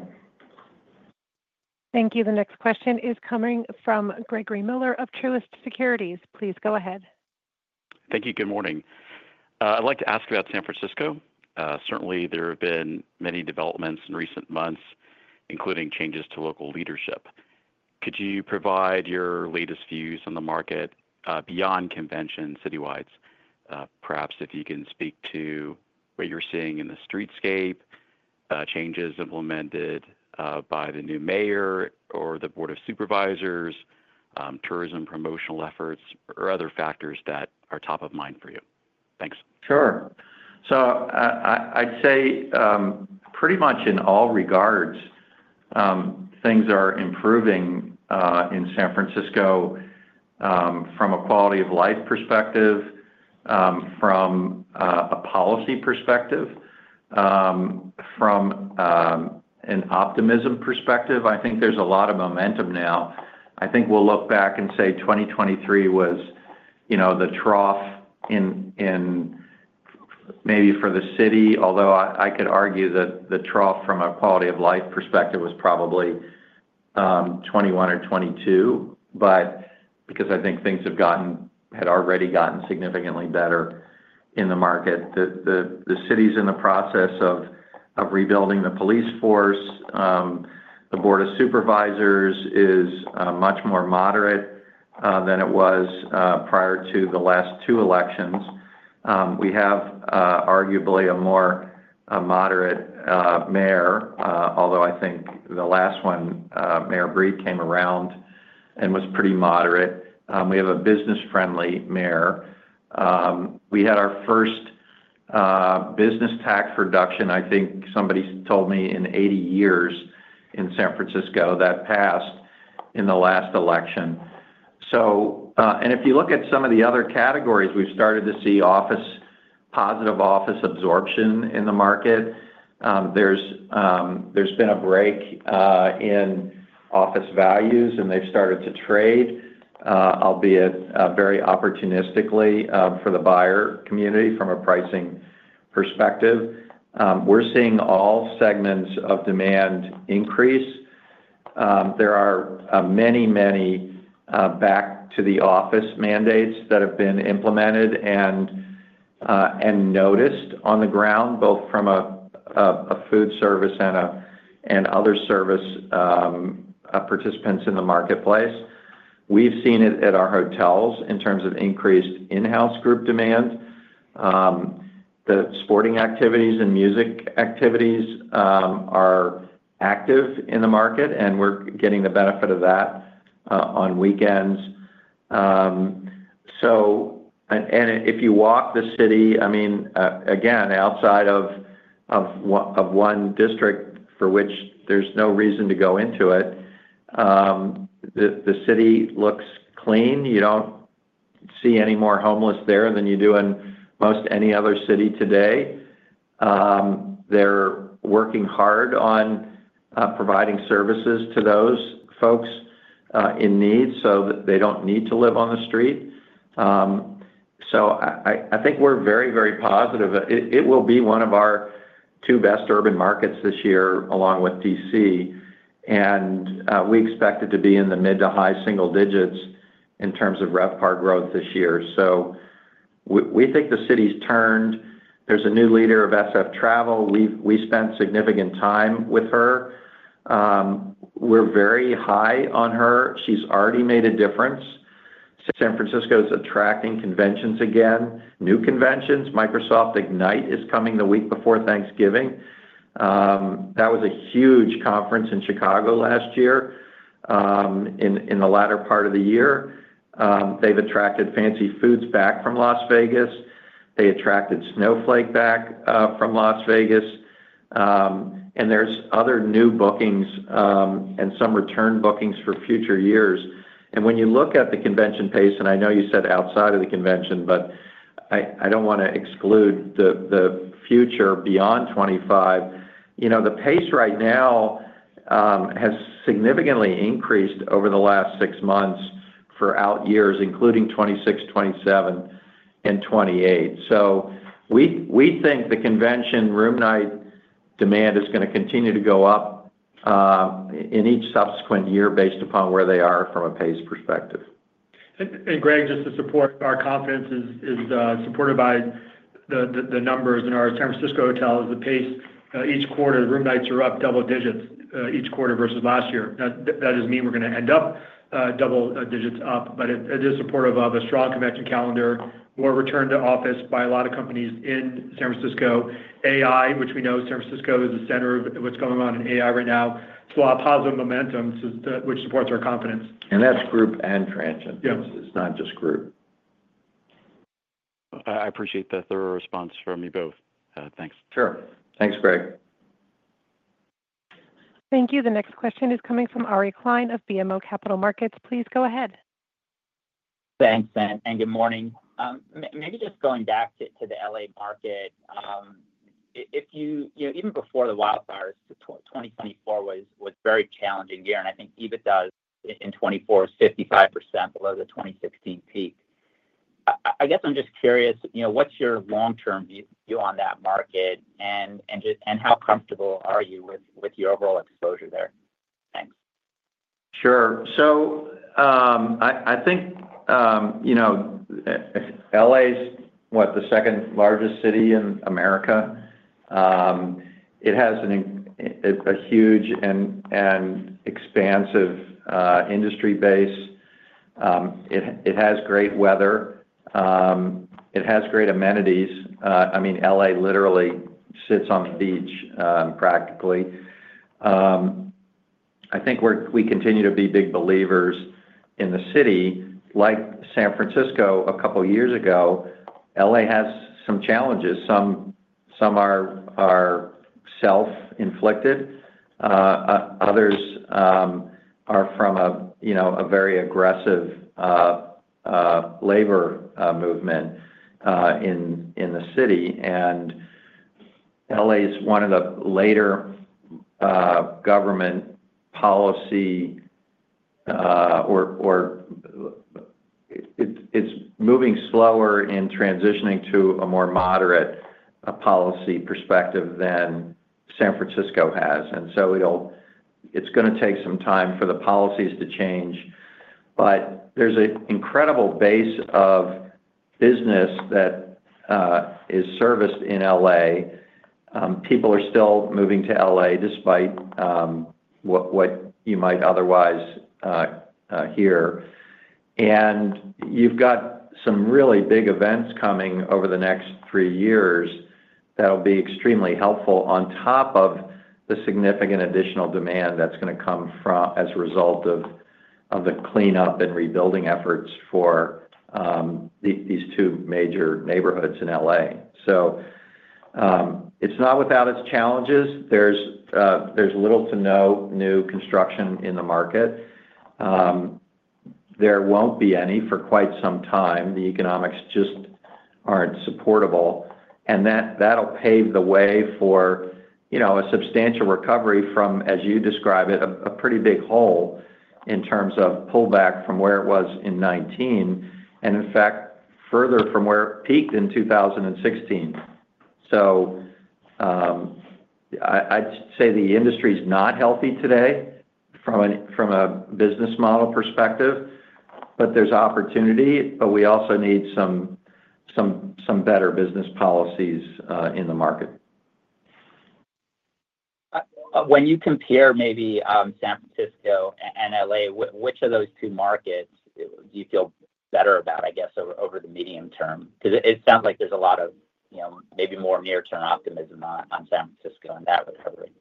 Thank you. The next question is coming from Gregory Miller of Truist Securities. Please go ahead. Thank you. Good morning. I'd like to ask about San Francisco. Certainly, there have been many developments in recent months, including changes to local leadership. Could you provide your latest views on the market beyond convention citywide? Perhaps if you can speak to what you're seeing in the streetscape, changes implemented by the new mayor or the Board of Supervisors, tourism promotional efforts, or other factors that are top of mind for you. Thanks. Sure. So I'd say pretty much in all regards, things are improving in San Francisco from a quality of life perspective, from a policy perspective, from an optimism perspective. I think there's a lot of momentum now. I think we'll look back and say 2023 was the trough maybe for the city, although I could argue that the trough from a quality of life perspective was probably 2021 or 2022. But because I think things had already gotten significantly better in the market, the city's in the process of rebuilding the police force. The Board of Supervisors is much more moderate than it was prior to the last two elections. We have arguably a more moderate mayor, although I think the last one, Mayor Breed, came around and was pretty moderate. We have a business-friendly mayor. We had our first business tax reduction, I think somebody told me, in 80 years in San Francisco that passed in the last election, and if you look at some of the other categories, we've started to see positive office absorption in the market. There's been a break in office values, and they've started to trade, albeit very opportunistically for the buyer community from a pricing perspective. We're seeing all segments of demand increase. There are many, many back-to-the-office mandates that have been implemented and noticed on the ground, both from a food service and other service participants in the marketplace. We've seen it at our hotels in terms of increased in-house group demand. The sporting activities and music activities are active in the market, and we're getting the benefit of that on weekends. And if you walk the city, I mean, again, outside of one district for which there's no reason to go into it, the city looks clean. You don't see any more homeless there than you do in most any other city today. They're working hard on providing services to those folks in need so that they don't need to live on the street. So I think we're very, very positive. It will be one of our two best urban markets this year, along with DC. And we expect it to be in the mid to high single digits in terms of RevPAR growth this year. So we think the city's turned. There's a new leader of SF Travel. We spent significant time with her. We're very high on her. She's already made a difference. San Francisco is attracting conventions again, new conventions. Microsoft Ignite is coming the week before Thanksgiving. That was a huge conference in Chicago last year in the latter part of the year. They've attracted Fancy Foods back from Las Vegas. They attracted Snowflake back from Las Vegas. And there's other new bookings and some return bookings for future years. And when you look at the convention pace, and I know you said outside of the convention, but I don't want to exclude the future beyond 2025, the pace right now has significantly increased over the last six months for out years, including 2026, 2027, and 2028. So we think the convention room night demand is going to continue to go up in each subsequent year based upon where they are from a pace perspective. And Greg, just to support, our confidence is supported by the numbers in our San Francisco hotels. Each quarter, room nights are up double digits each quarter versus last year. That doesn't mean we're going to end up double digits up, but it is supportive of a strong convention calendar, more return to office by a lot of companies in San Francisco. AI, which we know San Francisco is the center of what's going on in AI right now, saw a positive momentum, which supports our confidence. And that's group and transient. It's not just group. I appreciate the thorough response from you both. Thanks. Sure. Thanks, Greg. Thank you. The next question is coming from Ari Klein of BMO Capital Markets. Please go ahead. Thanks, Jon. And good morning. Maybe just going back to the LA market, even before the wildfires, 2024 was a very challenging year. And I think EBITDA in 2024 was 55% below the 2016 peak. I guess I'm just curious, what's your long-term view on that market, and how comfortable are you with your overall exposure there? Thanks. Sure. So I think LA is, what, the second largest city in America? It has a huge and expansive industry base. It has great weather. It has great amenities. I mean, LA literally sits on the beach, practically. I think we continue to be big believers in the city. Like San Francisco a couple of years ago, LA has some challenges. Some are self-inflicted. Others are from a very aggressive labor movement in the city. And LA is one of the laggards in government policy or it's moving slower in transitioning to a more moderate policy perspective than San Francisco has. And so it's going to take some time for the policies to change. But there's an incredible base of business that is serviced in LA. People are still moving to LA despite what you might otherwise hear. You've got some really big events coming over the next three years that'll be extremely helpful on top of the significant additional demand that's going to come as a result of the cleanup and rebuilding efforts for these two major neighborhoods in LA. So it's not without its challenges. There's little to no new construction in the market. There won't be any for quite some time. The economics just aren't supportable. And that'll pave the way for a substantial recovery from, as you describe it, a pretty big hole in terms of pullback from where it was in 2019, and in fact, further from where it peaked in 2016. So I'd say the industry is not healthy today from a business model perspective, but there's opportunity. But we also need some better business policies in the market. When you compare maybe San Francisco and LA, which of those two markets do you feel better about, I guess, over the medium term? Because it sounds like there's a lot of maybe more near-term optimism on San Francisco and that recovery.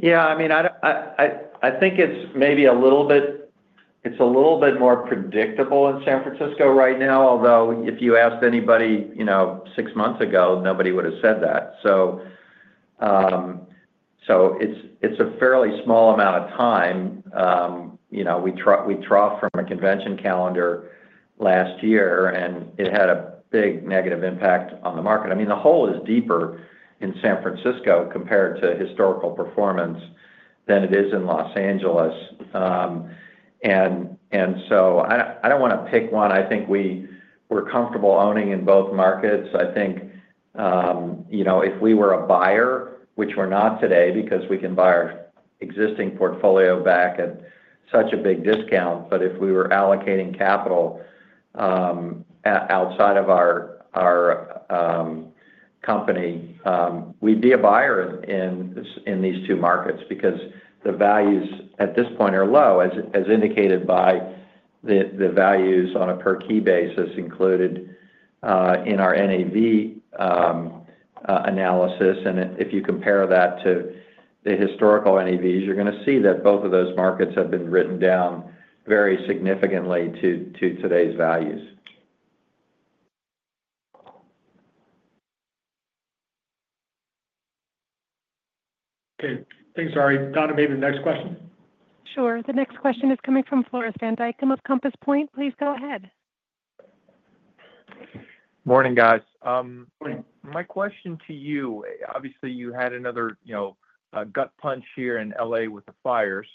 Yeah. I mean, I think it's maybe a little bit more predictable in San Francisco right now, although if you asked anybody six months ago, nobody would have said that. So it's a fairly small amount of time. We troughed from a convention calendar last year, and it had a big negative impact on the market. I mean, the hole is deeper in San Francisco compared to historical performance than it is in Los Angeles. And so I don't want to pick one. I think we're comfortable owning in both markets. I think if we were a buyer, which we're not today because we can buy our existing portfolio back at such a big discount, but if we were allocating capital outside of our company, we'd be a buyer in these two markets because the values at this point are low, as indicated by the values on a per-key basis included in our NAV analysis, and if you compare that to the historical NAVs, you're going to see that both of those markets have been written down very significantly to today's values. Thanks, Ari. Donna, maybe the next question? Sure. The next question is coming from Floris van Dijkum of Compass Point. Please go ahead. Morning, guys. My question to you, obviously, you had another gut punch here in LA with the fires.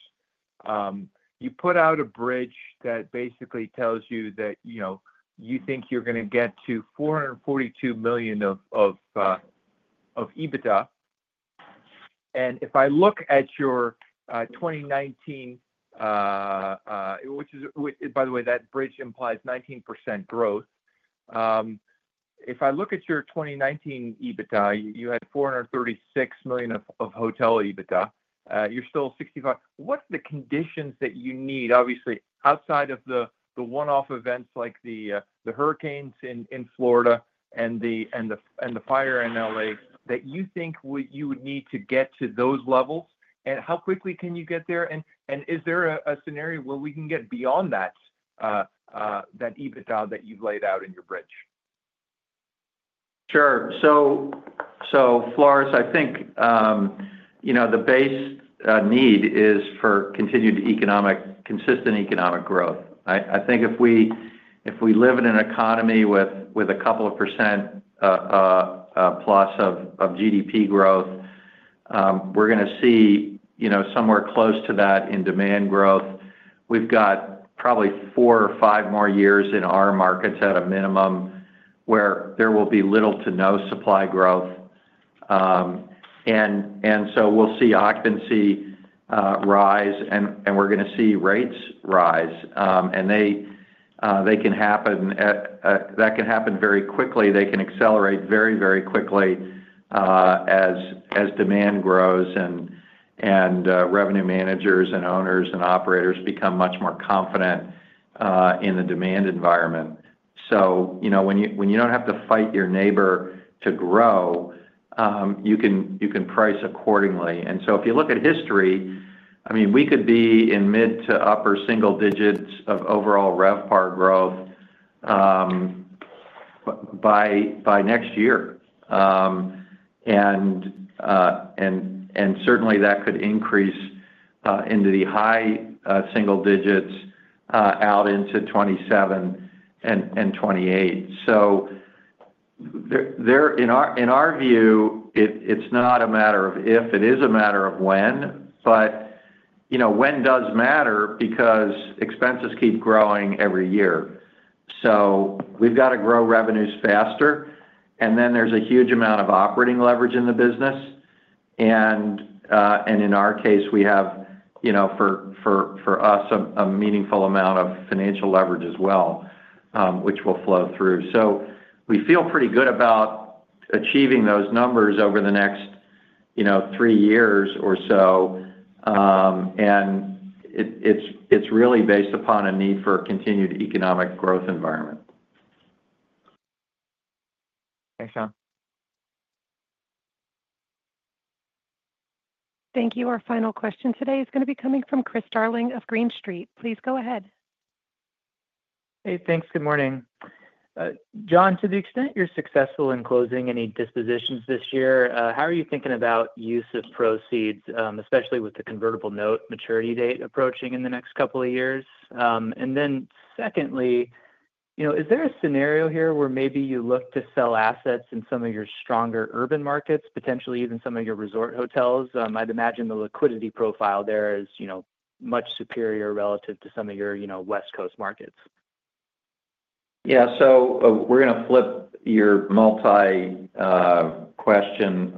You put out a bridge that basically tells you that you think you're going to get to $442 million of EBITDA. And if I look at your 2019, which is, by the way, that bridge implies 19% growth. If I look at your 2019 EBITDA, you had $436 million of hotel EBITDA. You're still 65. What are the conditions that you need, obviously, outside of the one-off events like the hurricanes in Florida and the fire in LA that you think you would need to get to those levels? And how quickly can you get there? And is there a scenario where we can get beyond that EBITDA that you've laid out in your bridge? Sure. So, Floris, I think the base need is for continued consistent economic growth. I think if we live in an economy with a couple of percent plus of GDP growth, we're going to see somewhere close to that in demand growth. We've got probably four or five more years in our markets at a minimum where there will be little to no supply growth, and so we'll see occupancy rise, and we're going to see rates rise. That can happen very quickly. They can accelerate very, very quickly as demand grows and revenue managers and owners and operators become much more confident in the demand environment. When you don't have to fight your neighbor to grow, you can price accordingly. If you look at history, I mean, we could be in mid- to upper-single digits of overall RevPAR growth by next year. Certainly, that could increase into the high single digits out into 2027 and 2028. So in our view, it's not a matter of if. It is a matter of when. But when does matter because expenses keep growing every year. So we've got to grow revenues faster. And then there's a huge amount of operating leverage in the business. And in our case, we have, for us, a meaningful amount of financial leverage as well, which will flow through. So we feel pretty good about achieving those numbers over the next three years or so. And it's really based upon a need for a continued economic growth environment. Thanks, Jon. Thank you. Our final question today is going to be coming from Chris Darling of Green Street. Please go ahead. Hey, thanks. Good morning. Jon, to the extent you're successful in closing any dispositions this year, how are you thinking about use of proceeds, especially with the convertible note maturity date approaching in the next couple of years? And then secondly, is there a scenario here where maybe you look to sell assets in some of your stronger urban markets, potentially even some of your resort hotels? I'd imagine the liquidity profile there is much superior relative to some of your West Coast markets. Yeah. So we're going to flip your multi-question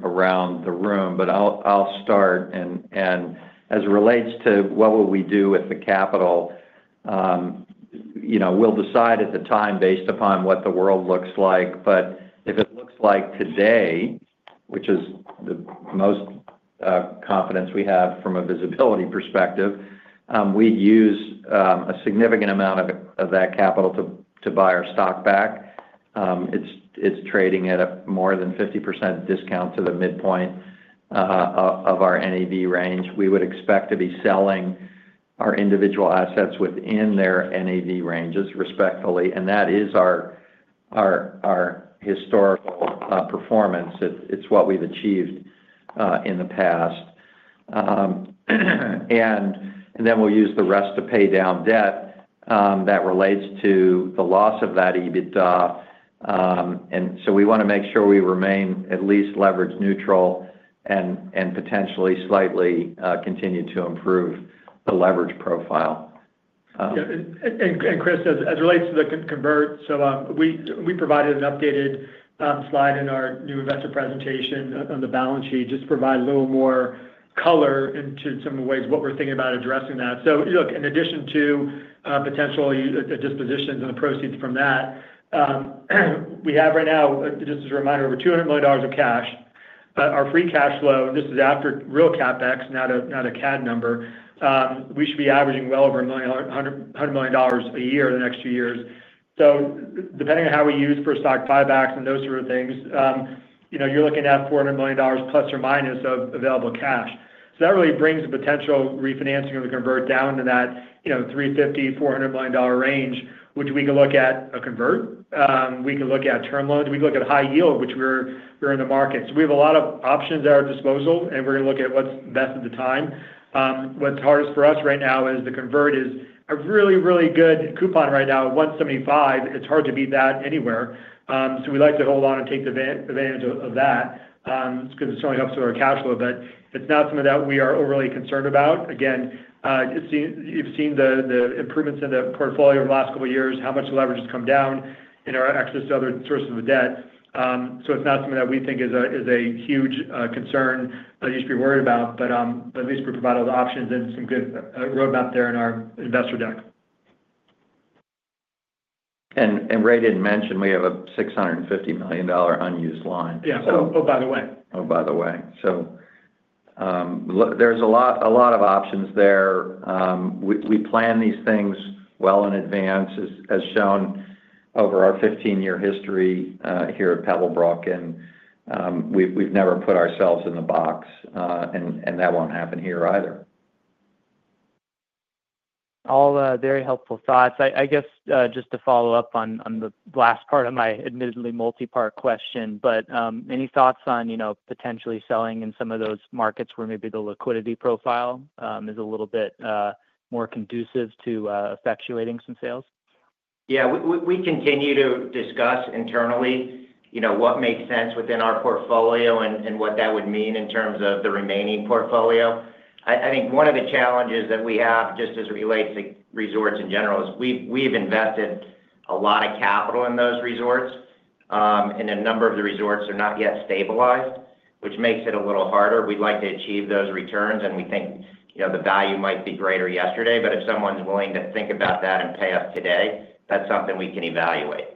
around the room, but I'll start. And as it relates to what will we do with the capital, we'll decide at the time based upon what the world looks like. But if it looks like today, which is the most confidence we have from a visibility perspective, we'd use a significant amount of that capital to buy our stock back. It's trading at a more than 50% discount to the midpoint of our NAV range. We would expect to be selling our individual assets within their NAV ranges, respectfully, and that is our historical performance. It's what we've achieved in the past. We'll use the rest to pay down debt that relates to the loss of that EBITDA. We want to make sure we remain at least leverage neutral and potentially slightly continue to improve the leverage profile. Chris, as it relates to the convert, we provided an updated slide in our new investor presentation on the balance sheet just to provide a little more color into some of the ways what we're thinking about addressing that. Look, in addition to potential dispositions and the proceeds from that, we have right now, just as a reminder, over $200 million of cash. But our free cash flow, and this is after real CapEx, not a CAD number, we should be averaging well over $100 million a year in the next two years. So depending on how we use for stock buybacks and those sort of things, you're looking at $400 million plus or minus of available cash. So that really brings the potential refinancing of the convert down to that $350 miillion-$400 million range, which we could look at a convert. We could look at term loans. We could look at a high yield, which we're in the market. So we have a lot of options at our disposal, and we're going to look at what's best at the time. What's hardest for us right now is the convert is a really, really good coupon right now at 175. It's hard to beat that anywhere. So we'd like to hold on and take the advantage of that because it certainly helps with our cash flow. But it's not something that we are overly concerned about. Again, you've seen the improvements in the portfolio over the last couple of years, how much leverage has come down in our access to other sources of debt. So it's not something that we think is a huge concern that you should be worried about. But at least we provide all the options and some good roadmap there in our investor deck. And Ray didn't mention we have a $650 million unused line. Yeah. Oh, by the way. Oh, by the way. So there's a lot of options there. We plan these things well in advance, as shown over our 15-year history here at Pebblebrook. And we've never put ourselves in the box, and that won't happen here either. All very helpful thoughts. I guess just to follow up on the last part of my admittedly multi-part question, but any thoughts on potentially selling in some of those markets where maybe the liquidity profile is a little bit more conducive to effectuating some sales? Yeah. We continue to discuss internally what makes sense within our portfolio and what that would mean in terms of the remaining portfolio. I think one of the challenges that we have just as it relates to resorts in general is we've invested a lot of capital in those resorts, and a number of the resorts are not yet stabilized, which makes it a little harder. We'd like to achieve those returns, and we think the value might be greater yet today. But if someone's willing to think about that and pay us today, that's something we can evaluate.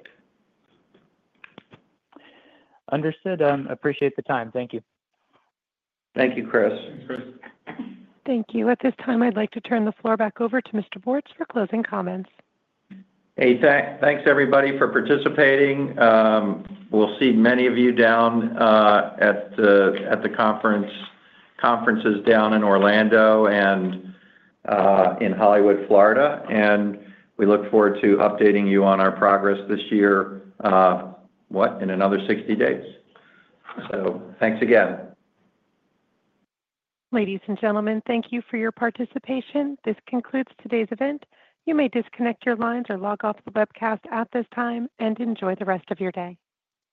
Understood. Appreciate the time. Thank you. Thank you, Chris. Thank you. At this time, I'd like to turn the floor back over to Mr. Bortz for closing comments. Hey, thanks, everybody, for participating. We'll see many of you down at the conferences down in Orlando and in Hollywood, Florida. And we look forward to updating you on our progress this year, what, in another 60 days. So thanks again. Ladies and gentlemen, thank you for your participation. This concludes today's event. You may disconnect your lines or log off the webcast at this time and enjoy the rest of your day.